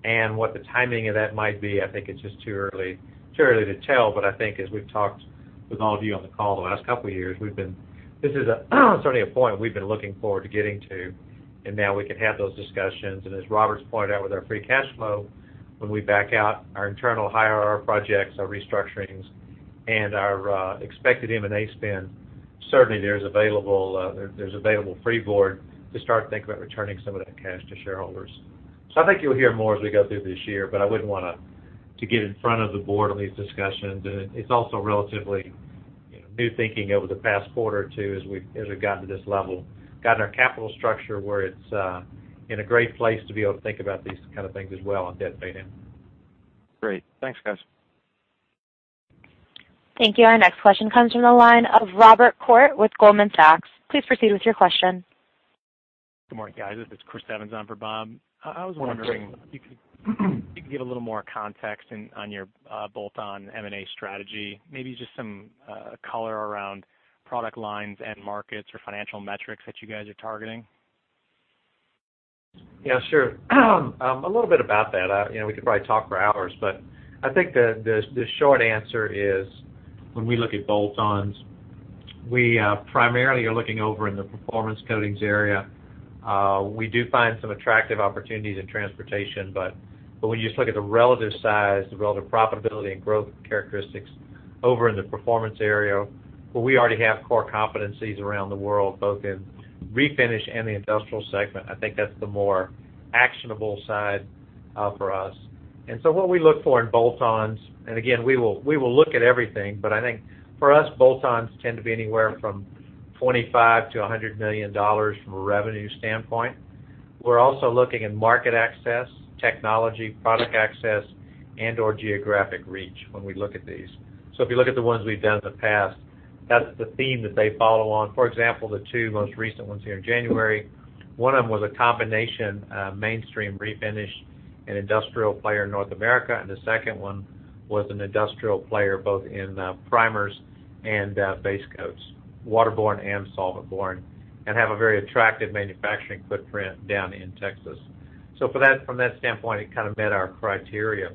and what the timing of that might be, I think it's just too early to tell. I think as we've talked with all of you on the call the last couple of years, this is certainly a point we've been looking forward to getting to, and now we can have those discussions. As Robert pointed out, with our free cash flow, when we back out our internal higher IRR projects, our restructurings, and our expected M&A spend, certainly there's available free board to start to think about returning some of that cash to shareholders. I think you'll hear more as we go through this year, but I wouldn't want to get in front of the board on these discussions. It's also relatively new thinking over the past quarter, too, as we've gotten to this level, gotten our capital structure where it's in a great place to be able to think about these kind of things as well on debt paydown. Great. Thanks, guys. Thank you. Our next question comes from the line of Robert Koort with Goldman Sachs. Please proceed with your question. Good morning, guys. It's Chris Evans on for Bob. Morning, Chris. I was wondering if you could give a little more context on your bolt-on M&A strategy, maybe just some color around product lines and markets or financial metrics that you guys are targeting. Yeah, sure. A little bit about that. We could probably talk for hours. When we look at bolt-ons, we primarily are looking over in the Performance Coatings area. We do find some attractive opportunities in Transportation Coatings. When you just look at the relative size, the relative profitability, and growth characteristics over in the performance area, where we already have core competencies around the world, both in refinish and the industrial segment, I think that's the more actionable side for us. What we look for in bolt-ons, and again, we will look at everything, but I think for us, bolt-ons tend to be anywhere from $25 million-$100 million from a revenue standpoint. We're also looking at market access, technology, product access, and/or geographic reach when we look at these. If you look at the ones we've done in the past, that's the theme that they follow on. For example, the two most recent ones here in January, one of them was a combination mainstream refinish and industrial player in North America, and the second one was an industrial player, both in primers and base coats, waterborne and solventborne, and have a very attractive manufacturing footprint down in Texas. From that standpoint, it kind of met our criteria.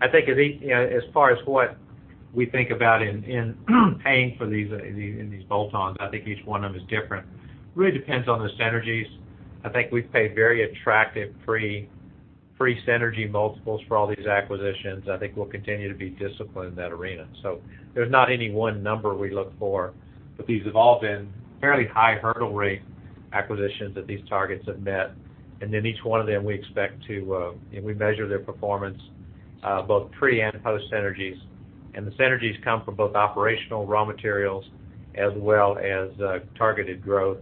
I think as far as what we think about in paying for these bolt-ons, I think each one of them is different. Really depends on the synergies. I think we've paid very attractive pre-synergy multiples for all these acquisitions. I think we'll continue to be disciplined in that arena. There's not any one number we look for, but these have all been fairly high hurdle rate acquisitions that these targets have met. Each one of them, we measure their performance both pre and post synergies, and the synergies come from both operational raw materials as well as targeted growth,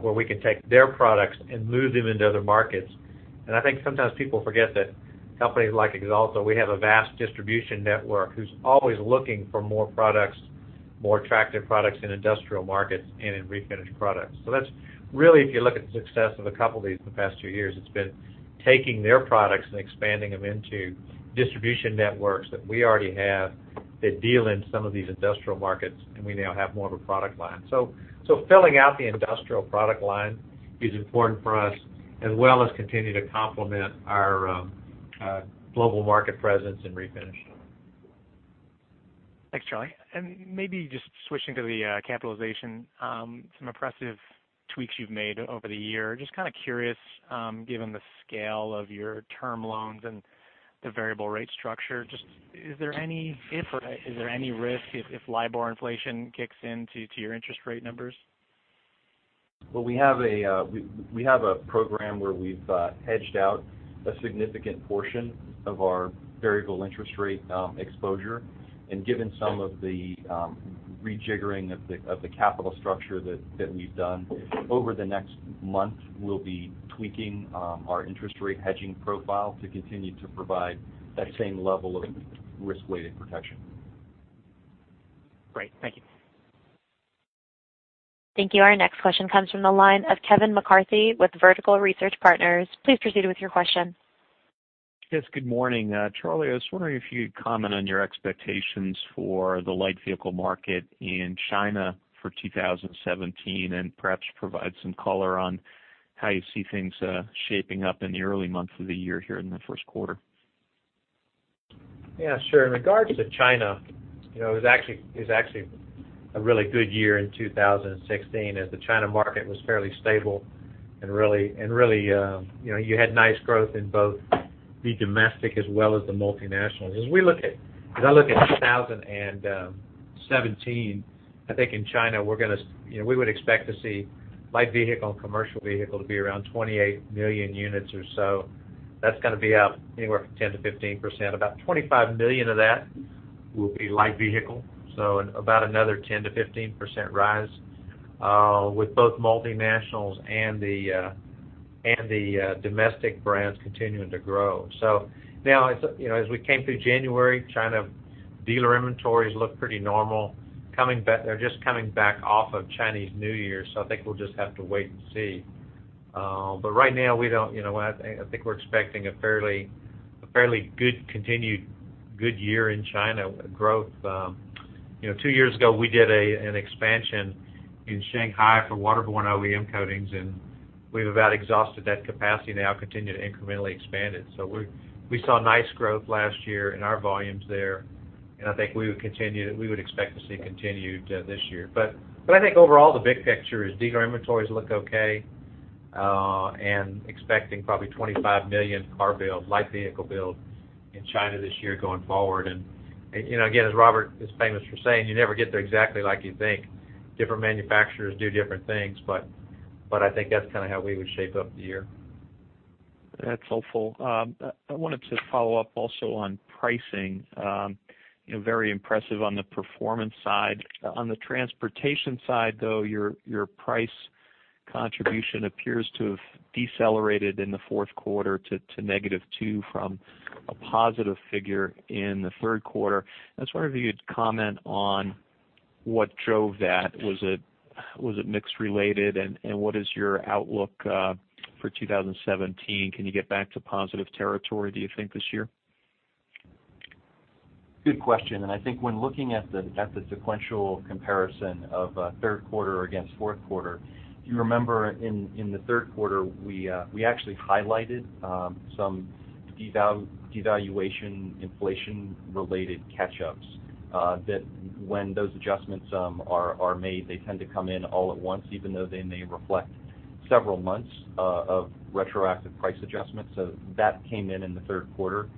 where we can take their products and move them into other markets. I think sometimes people forget that companies like Axalta, we have a vast distribution network who's always looking for more products, more attractive products in industrial markets and in refinished products. Really, if you look at the success of a couple of these in the past few years, it's been taking their products and expanding them into distribution networks that we already have that deal in some of these industrial markets, and we now have more of a product line. filling out the industrial product line is important for us, as well as continuing to complement our global market presence in refinish. Thanks, Charlie. Maybe just switching to the capitalization, some impressive tweaks you've made over the year. Just kind of curious, given the scale of your term loans and the variable rate structure, is there any risk if LIBOR inflation kicks in to your interest rate numbers? Well, we have a program where we've hedged out a significant portion of our variable interest rate exposure. Given some of the rejiggering of the capital structure that we've done, over the next month, we'll be tweaking our interest rate hedging profile to continue to provide that same level of risk-weighted protection. Great. Thank you. Thank you. Our next question comes from the line of Kevin McCarthy with Vertical Research Partners. Please proceed with your question. Yes, good morning. Charlie, I was wondering if you could comment on your expectations for the light vehicle market in China for 2017 and perhaps provide some color on how you see things shaping up in the early months of the year here in the first quarter. Sure. In regards to China, it was actually a really good year in 2016, as the China market was fairly stable and really you had nice growth in both the domestic as well as the multinationals. As I look at 2017, I think in China, we would expect to see light vehicle and commercial vehicle to be around 28 million units or so. That's going to be up anywhere from 10%-15%. About 25 million of that will be light vehicle, so about another 10%-15% rise with both multinationals and the The domestic brands continuing to grow. Now, as we came through January, China dealer inventories look pretty normal. They're just coming back off of Chinese New Year, I think we'll just have to wait and see. Right now, I think we're expecting a fairly continued good year in China, with growth. Two years ago, we did an expansion in Shanghai for waterborne OEM coatings, and we've about exhausted that capacity now, continue to incrementally expand it. We saw nice growth last year in our volumes there, and I think we would expect to see continued this year. I think overall, the big picture is dealer inventories look okay, and expecting probably 25 million car builds, light vehicle builds, in China this year going forward. Again, as Robert is famous for saying, you never get there exactly like you think. Different manufacturers do different things, but I think that's kind of how we would shape up the year. That's helpful. I wanted to follow up also on pricing. Very impressive on the Performance side. On the Transportation side, though, your price contribution appears to have decelerated in the fourth quarter to -2 from a positive figure in the third quarter. I was wondering if you could comment on what drove that. Was it mix related, and what is your outlook for 2017? Can you get back to positive territory, do you think, this year? Good question. I think when looking at the sequential comparison of third quarter against fourth quarter, if you remember, in the third quarter, we actually highlighted some devaluation inflation related catch-ups, that when those adjustments are made, they tend to come in all at once, even though they may reflect several months of retroactive price adjustments. That came in in the third quarter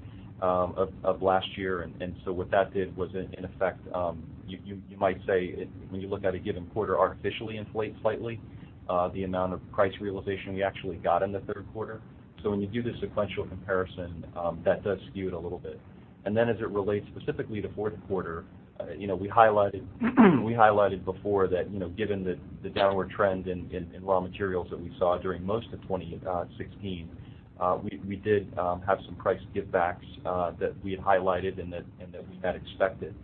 of last year. What that did was, in effect, you might say, when you look at a given quarter, artificially inflate slightly, the amount of price realization we actually got in the third quarter. When you do the sequential comparison, that does skew it a little bit. As it relates specifically to fourth quarter, we highlighted before that, given the downward trend in raw materials that we saw during most of 2016, we did have some price give backs that we had highlighted and that we had expected.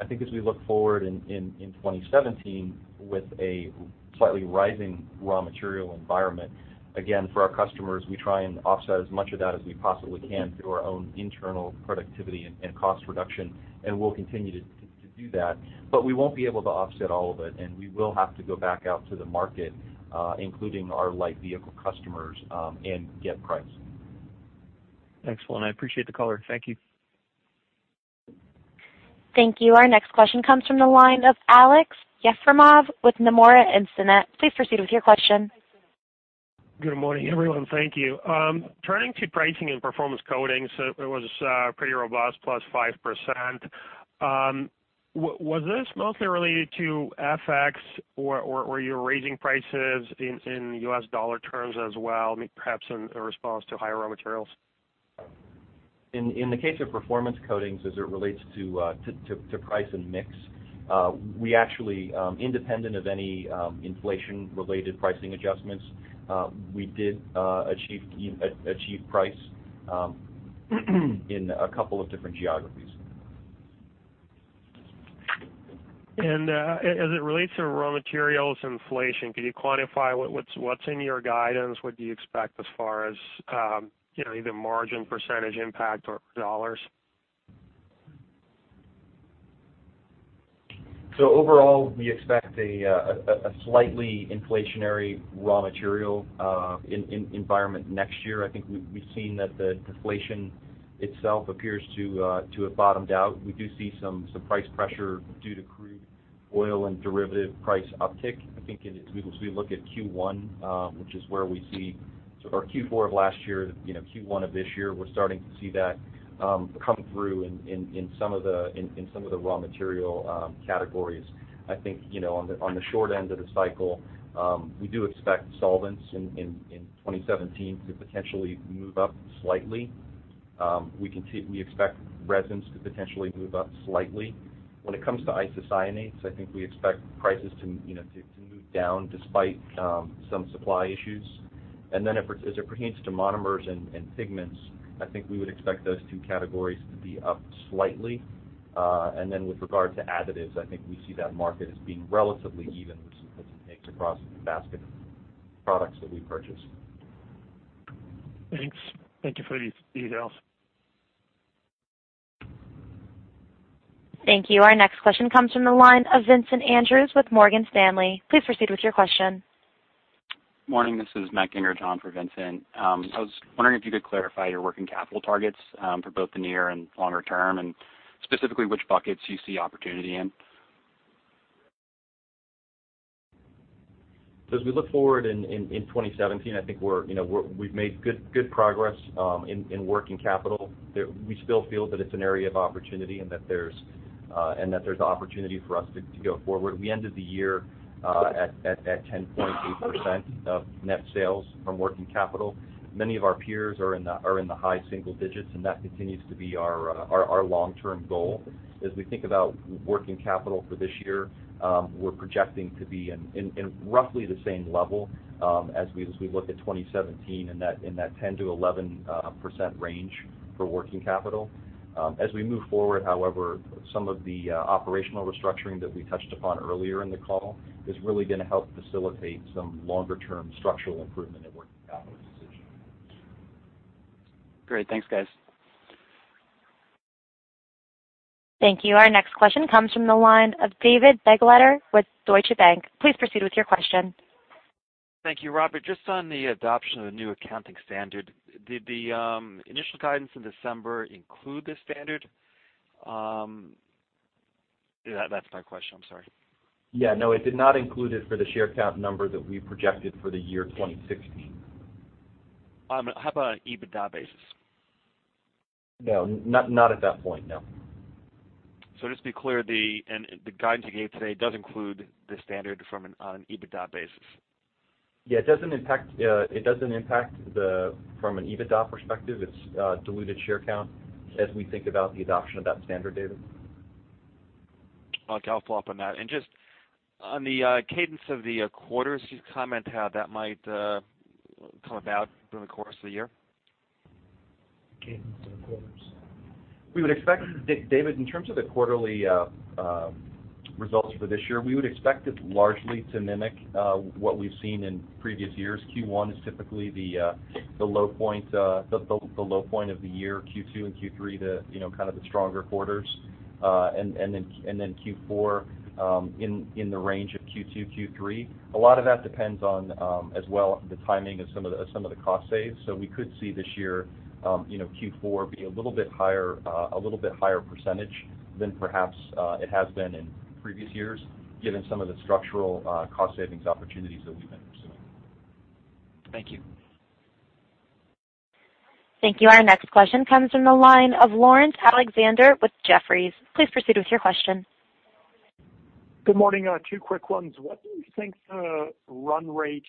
I think as we look forward in 2017 with a slightly rising raw material environment, again, for our customers, we try and offset as much of that as we possibly can through our own internal productivity and cost reduction. We'll continue to do that, but we won't be able to offset all of it, and we will have to go back out to the market, including our light vehicle customers, and get price. Excellent. I appreciate the color. Thank you. Thank you. Our next question comes from the line of Aleksey Yefremov with Nomura Instinet. Please proceed with your question. Good morning, everyone. Thank you. Turning to pricing and Performance Coatings, it was pretty robust, plus 5%. Was this mostly related to FX, or were you raising prices in US dollar terms as well, perhaps in response to higher raw materials? In the case of Performance Coatings as it relates to price and mix, we actually, independent of any inflation related pricing adjustments, we did achieve price in a couple of different geographies. As it relates to raw materials inflation, could you quantify what's in your guidance? What do you expect as far as either margin percentage impact or $? Overall, we expect a slightly inflationary raw material environment next year. I think we've seen that the deflation itself appears to have bottomed out. We do see some price pressure due to crude oil and derivative price uptick. I think as we look at Q4 of last year, Q1 of this year, we're starting to see that come through in some of the raw material categories. I think, on the short end of the cycle, we do expect solvents in 2017 to potentially move up slightly. We expect resins to potentially move up slightly. When it comes to isocyanates, I think we expect prices to move down despite some supply issues. As it pertains to monomers and pigments, I think we would expect those two categories to be up slightly. With regard to additives, I think we see that market as being relatively even as it pertains across the basket of products that we purchase. Thanks. Thank you for the details. Thank you. Our next question comes from the line of Vincent Andrews with Morgan Stanley. Please proceed with your question. Morning. This is Matt Gingrich on for Vincent. I was wondering if you could clarify your working capital targets for both the near and longer term, and specifically which buckets you see opportunity in. As we look forward in 2017, I think we've made good progress in working capital. We still feel that it's an area of opportunity and that there's opportunity for us to go forward. We ended the year at 10.8% of net sales from working capital. Many of our peers are in the high single digits, and that continues to be our long-term goal. As we think about working capital for this year, we're projecting to be in roughly the same level as we look at 2017, in that 10%-11% range for working capital. As we move forward, however, some of the operational restructuring that we touched upon earlier in the call is really going to help facilitate some longer-term structural improvement in working capital position. Great. Thanks, guys. Thank you. Our next question comes from the line of David Begleiter with Deutsche Bank. Please proceed with your question. Thank you. Robert, just on the adoption of the new accounting standard, did the initial guidance in December include the standard? That's my question, I'm sorry. Yeah, no, it did not include it for the share count number that we projected for the year 2016. How about on an EBITDA basis? No, not at that point, no. Just be clear, the guidance you gave today does include the standard from an EBITDA basis. It doesn't impact from an EBITDA perspective, its diluted share count as we think about the adoption of that standard, David. I'll follow up on that. Just on the cadence of the quarters, your comment how that might come about through the course of the year. Cadence of the quarters. We would expect, David, in terms of the quarterly results for this year, we would expect it largely to mimic what we've seen in previous years. Q1 is typically the low point of the year, Q2 and Q3, kind of the stronger quarters, and then Q4 in the range of Q2, Q3. A lot of that depends on, as well, the timing of some of the cost saves. We could see this year, Q4 be a little bit higher percentage than perhaps it has been in previous years, given some of the structural cost savings opportunities that we've been pursuing. Thank you. Thank you. Our next question comes from the line of Laurence Alexander with Jefferies. Please proceed with your question. Good morning. Two quick ones. What do you think the run rate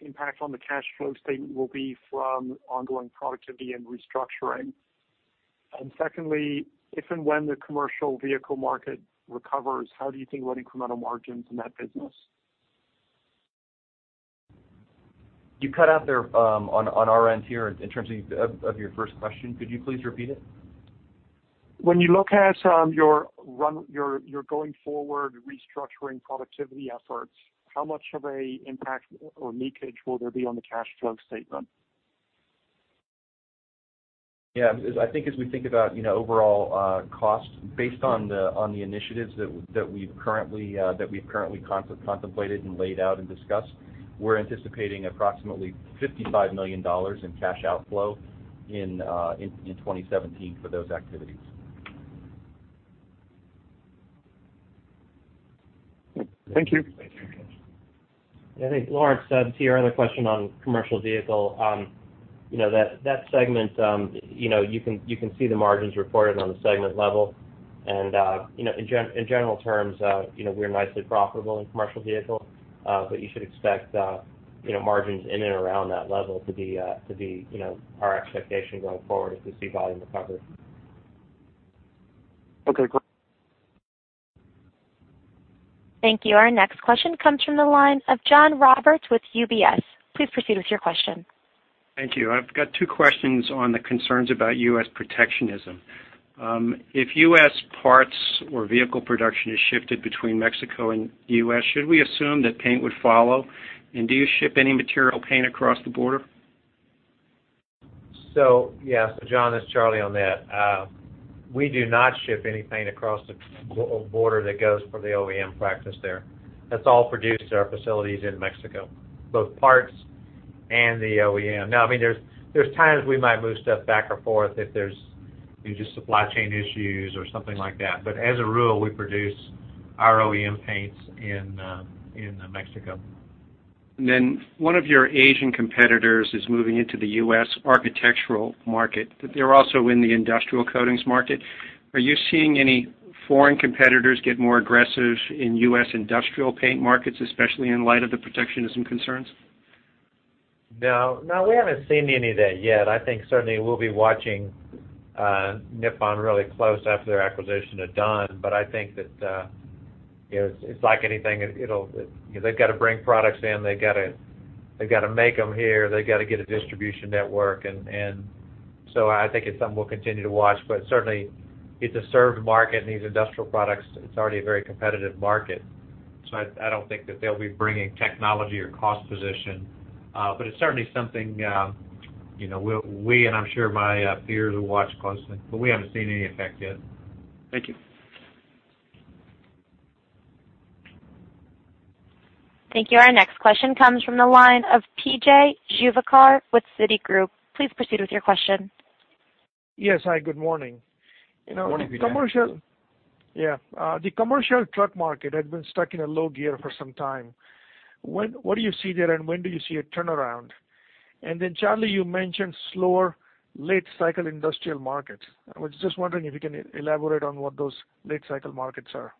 impact on the cash flow statement will be from ongoing productivity and restructuring? Secondly, if and when the commercial vehicle market recovers, how do you think about incremental margins in that business? You cut out there on our end here in terms of your first question. Could you please repeat it? When you look at your going forward restructuring productivity efforts, how much of an impact or leakage will there be on the cash flow statement? I think as we think about overall costs based on the initiatives that we've currently contemplated and laid out and discussed, we're anticipating approximately $55 million in cash outflow in 2017 for those activities. Thank you. Thank you. I think Laurence, to your other question on commercial vehicle, that segment, you can see the margins reported on the segment level. In general terms, we're nicely profitable in commercial vehicle, but you should expect margins in and around that level to be our expectation going forward as we see volume recover. Okay, great. Thank you. Our next question comes from the line of John Roberts with UBS. Please proceed with your question. Thank you. I've got two questions on the concerns about U.S. protectionism. If U.S. parts or vehicle production is shifted between Mexico and U.S., should we assume that paint would follow? Do you ship any material paint across the border? John, it's Charlie on that. We do not ship any paint across the border that goes for the OEM practice there. That's all produced at our facilities in Mexico, both parts and the OEM. There's times we might move stuff back and forth if there's just supply chain issues or something like that. As a rule, we produce our OEM paints in Mexico. One of your Asian competitors is moving into the U.S. architectural market. They're also in the industrial coatings market. Are you seeing any foreign competitors get more aggressive in U.S. industrial paint markets, especially in light of the protectionism concerns? No, we haven't seen any of that yet. I think certainly we'll be watching Nippon really close after their acquisition of Dunn-Edwards. I think that it's like anything, they've got to bring products in, they've got to make them here, they've got to get a distribution network, I think it's something we'll continue to watch. Certainly it's a served market, and these industrial products, it's already a very competitive market. I don't think that they'll be bringing technology or cost position. It's certainly something we, and I'm sure my peers, will watch closely. We haven't seen any effect yet. Thank you. Thank you. Our next question comes from the line of P.J. Juvekar with Citigroup. Please proceed with your question. Yes, hi, good morning. Morning to you. Yeah. The commercial truck market has been stuck in a low gear for some time. What do you see there, and when do you see a turnaround? Charlie, you mentioned slower late cycle industrial markets. I was just wondering if you can elaborate on what those late cycle markets are.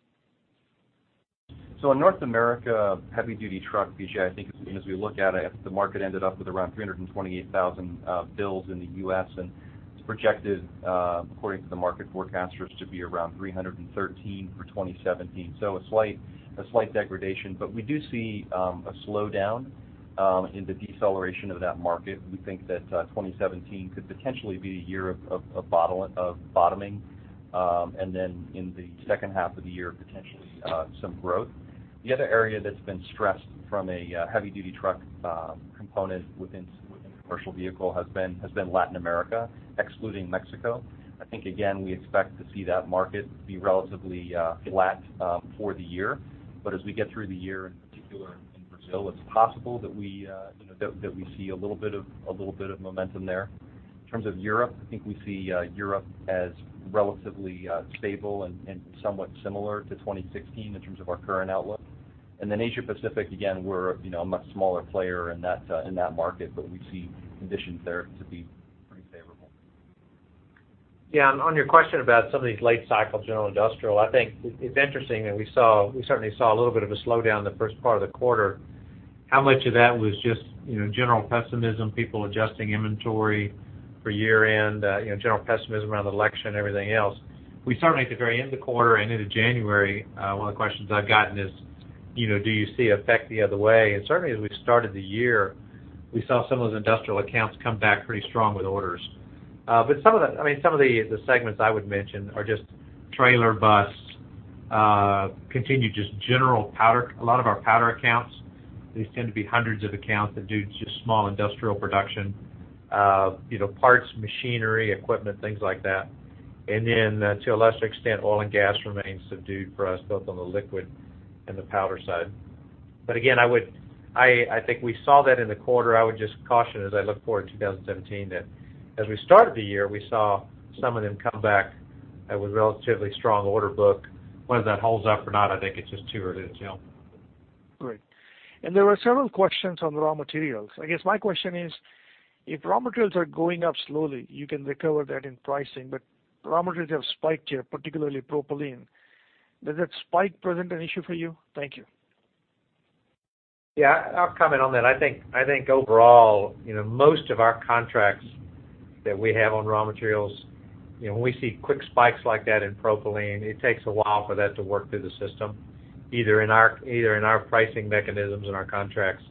In North America, heavy duty truck, P.J., I think as we look at it, the market ended up with around 328,000 builds in the U.S., and it's projected, according to the market forecasters, to be around 313 for 2017. A slight degradation. We do see a slowdown in the deceleration of that market. We think that 2017 could potentially be a year of bottoming. In the second half of the year, potentially some growth. The other area that's been stressed from a heavy duty truck component within commercial vehicle has been Latin America, excluding Mexico. I think, again, we expect to see that market be relatively flat for the year. As we get through the year, in particular in Brazil, it's possible that we see a little bit of momentum there. In terms of Europe, I think we see Europe as relatively stable and somewhat similar to 2016 in terms of our current outlook. Asia Pacific, again, we're a much smaller player in that market, we see conditions there to be pretty favorable. Yeah. On your question about some of these late cycle general industrial, I think it's interesting that we certainly saw a little bit of a slowdown in the first part of the quarter. How much of that was just general pessimism, people adjusting inventory for year-end, general pessimism around the election, everything else. We certainly at the very end of the quarter and into January, one of the questions I've gotten is, do you see effect the other way? Certainly, as we started the year, we saw some of those industrial accounts come back pretty strong with orders. Some of the segments I would mention are just trailer, bus, continue just general powder. A lot of our powder accounts, these tend to be hundreds of accounts that do just small industrial production, parts, machinery, equipment, things like that. To a lesser extent, oil and gas remains subdued for us both on the liquid and the powder side. Again, I think we saw that in the quarter. I would just caution as I look forward to 2017, that as we started the year, we saw some of them come back with relatively strong order book. Whether that holds up or not, I think it's just too early to tell. Great. There were several questions on raw materials. I guess my question is, if raw materials are going up slowly, you can recover that in pricing, but raw materials have spiked here, particularly propylene. Does that spike present an issue for you? Thank you. Yeah, I'll comment on that. I think overall, most of our contracts that we have on raw materials, when we see quick spikes like that in propylene, it takes a while for that to work through the system, either in our pricing mechanisms and our contracts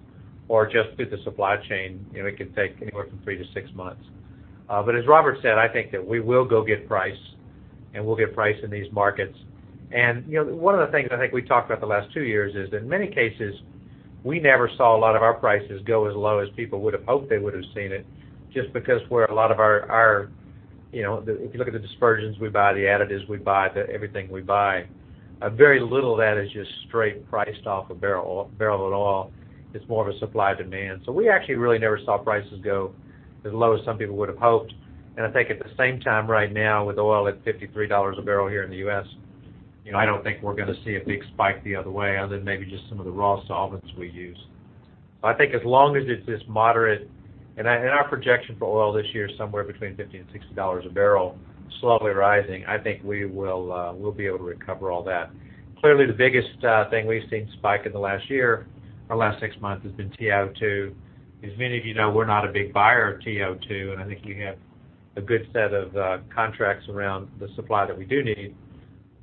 or just through the supply chain. It can take anywhere from three to six months. As Robert said, I think that we will go get price, and we'll get price in these markets. One of the things I think we talked about the last two years is that in many cases, we never saw a lot of our prices go as low as people would have hoped they would have seen it, just because where a lot of our if you look at the dispersions we buy, the additives we buy, everything we buy, very little of that is just straight priced off a barrel of oil. It's more of a supply demand. We actually really never saw prices go as low as some people would have hoped. I think at the same time right now with oil at $53 a barrel here in the U.S., I don't think we're going to see a big spike the other way, other than maybe just some of the raw solvents we use. I think as long as it's this moderate, our projection for oil this year is somewhere between $50 and $60 a barrel, slowly rising, I think we'll be able to recover all that. Clearly, the biggest thing we've seen spike in the last year or last six months has been TiO2. As many of you know, we're not a big buyer of TiO2, and I think you have a good set of contracts around the supply that we do need.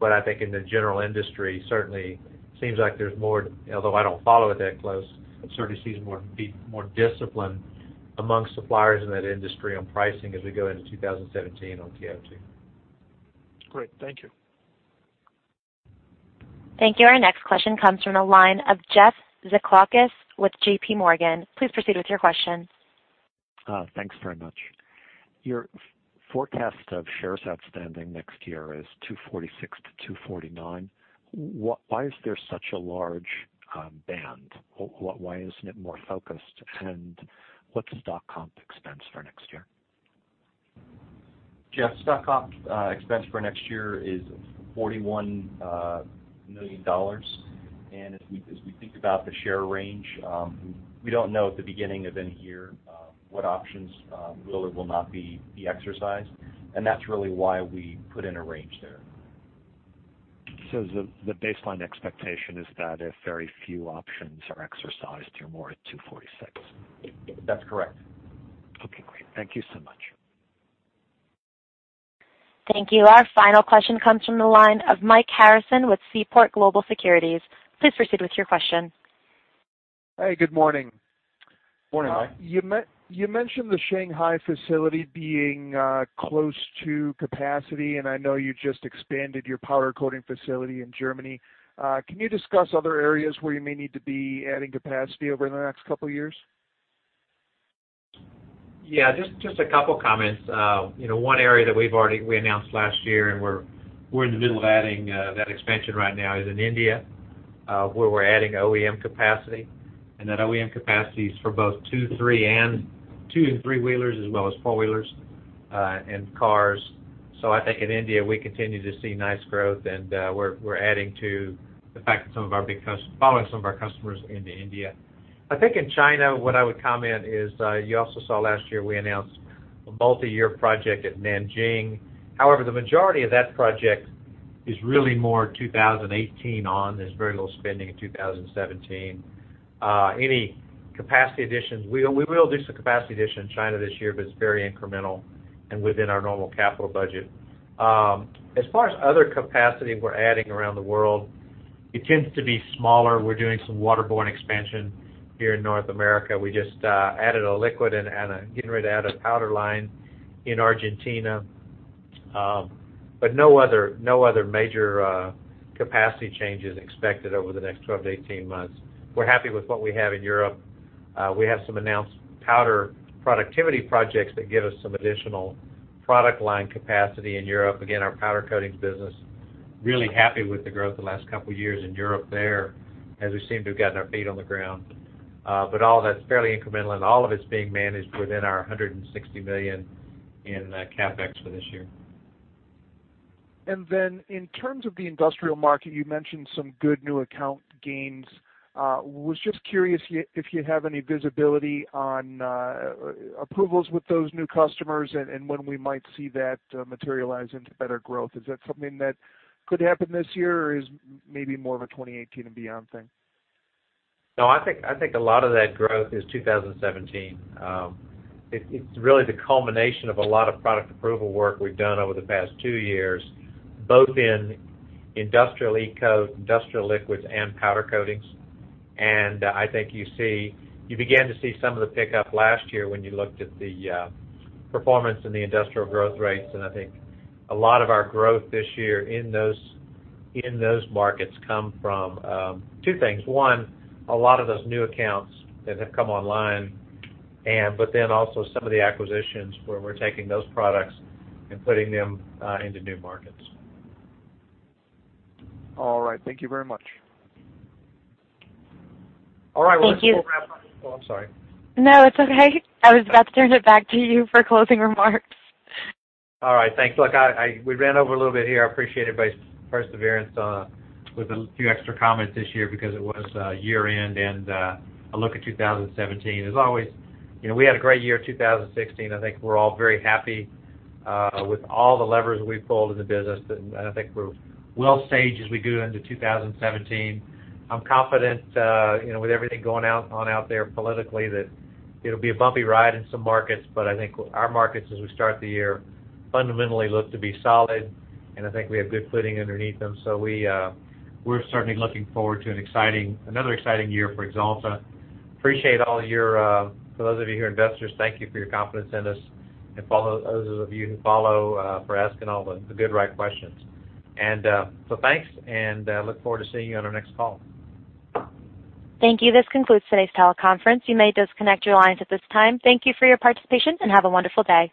I think in the general industry, certainly seems like there's more, although I don't follow it that close, it certainly seems more discipline amongst suppliers in that industry on pricing as we go into 2017 on TiO2. Great. Thank you. Thank you. Our next question comes from the line of Jeff Zekauskas with JPMorgan. Please proceed with your question. Thanks very much. Your forecast of shares outstanding next year is 246-249. Why is there such a large band? Why isn't it more focused? What's the stock comp expense for next year? Jeff, stock comp expense for next year is $41 million. As we think about the share range, we don't know at the beginning of any year what options will or will not be exercised. That's really why we put in a range there. The baseline expectation is that if very few options are exercised, you're more at 246. That's correct. Okay, great. Thank you so much. Thank you. Our final question comes from the line of Mike Harrison with Seaport Global Securities. Please proceed with your question. Hey, good morning. Morning, Mike. You mentioned the Shanghai facility being close to capacity, and I know you just expanded your powder coating facility in Germany. Can you discuss other areas where you may need to be adding capacity over the next couple of years? Yeah, just a couple of comments. One area that we announced last year, and we're in the middle of adding that expansion right now, is in India, where we're adding OEM capacity. That OEM capacity is for both two and three-wheelers as well as four-wheelers and cars. I think in India, we continue to see nice growth, and we're adding to the fact that following some of our customers into India. I think in China, what I would comment is, you also saw last year we announced a multi-year project at Nanjing. However, the majority of that project is really more 2018 on. There's very little spending in 2017. Any capacity additions, we will do some capacity addition in China this year, but it's very incremental and within our normal capital budget. As far as other capacity we're adding around the world, it tends to be smaller. We're doing some waterborne expansion here in North America. We just added a liquid and getting ready to add a powder line in Argentina. No other major capacity changes expected over the next 12 to 18 months. We're happy with what we have in Europe. We have some announced powder productivity projects that give us some additional product line capacity in Europe. Again, our powder coatings business, really happy with the growth the last couple of years in Europe there, as we seem to have gotten our feet on the ground. All that's fairly incremental, and all of it's being managed within our $160 million in CapEx for this year. In terms of the industrial market, you mentioned some good new account gains. I was just curious if you have any visibility on approvals with those new customers and when we might see that materialize into better growth. Is that something that could happen this year, or is maybe more of a 2018 and beyond thing? No, I think a lot of that growth is 2017. It's really the culmination of a lot of product approval work we've done over the past two years, both in industrial e-coat, industrial liquids, and powder coatings. I think you began to see some of the pickup last year when you looked at the performance in the industrial growth rates. I think a lot of our growth this year in those markets come from two things. One, a lot of those new accounts that have come online, but then also some of the acquisitions where we're taking those products and putting them into new markets. All right. Thank you very much. All right. I think we'll wrap up. Oh, I'm sorry. No, it's okay. I was about to turn it back to you for closing remarks. All right. Thanks. Look, we ran over a little bit here. I appreciate everybody's perseverance with a few extra comments this year because it was year-end and a look at 2017. As always, we had a great year 2016. I think we're all very happy with all the levers we pulled in the business. I think we're well staged as we go into 2017. I'm confident, with everything going on out there politically, that it'll be a bumpy ride in some markets. I think our markets, as we start the year, fundamentally look to be solid, and I think we have good footing underneath them. We're certainly looking forward to another exciting year for Axalta. For those of you who are investors, thank you for your confidence in us, and those of you who follow, for asking all the good right questions. Thanks, and look forward to seeing you on our next call. Thank you. This concludes today's teleconference. You may disconnect your lines at this time. Thank you for your participation, and have a wonderful day.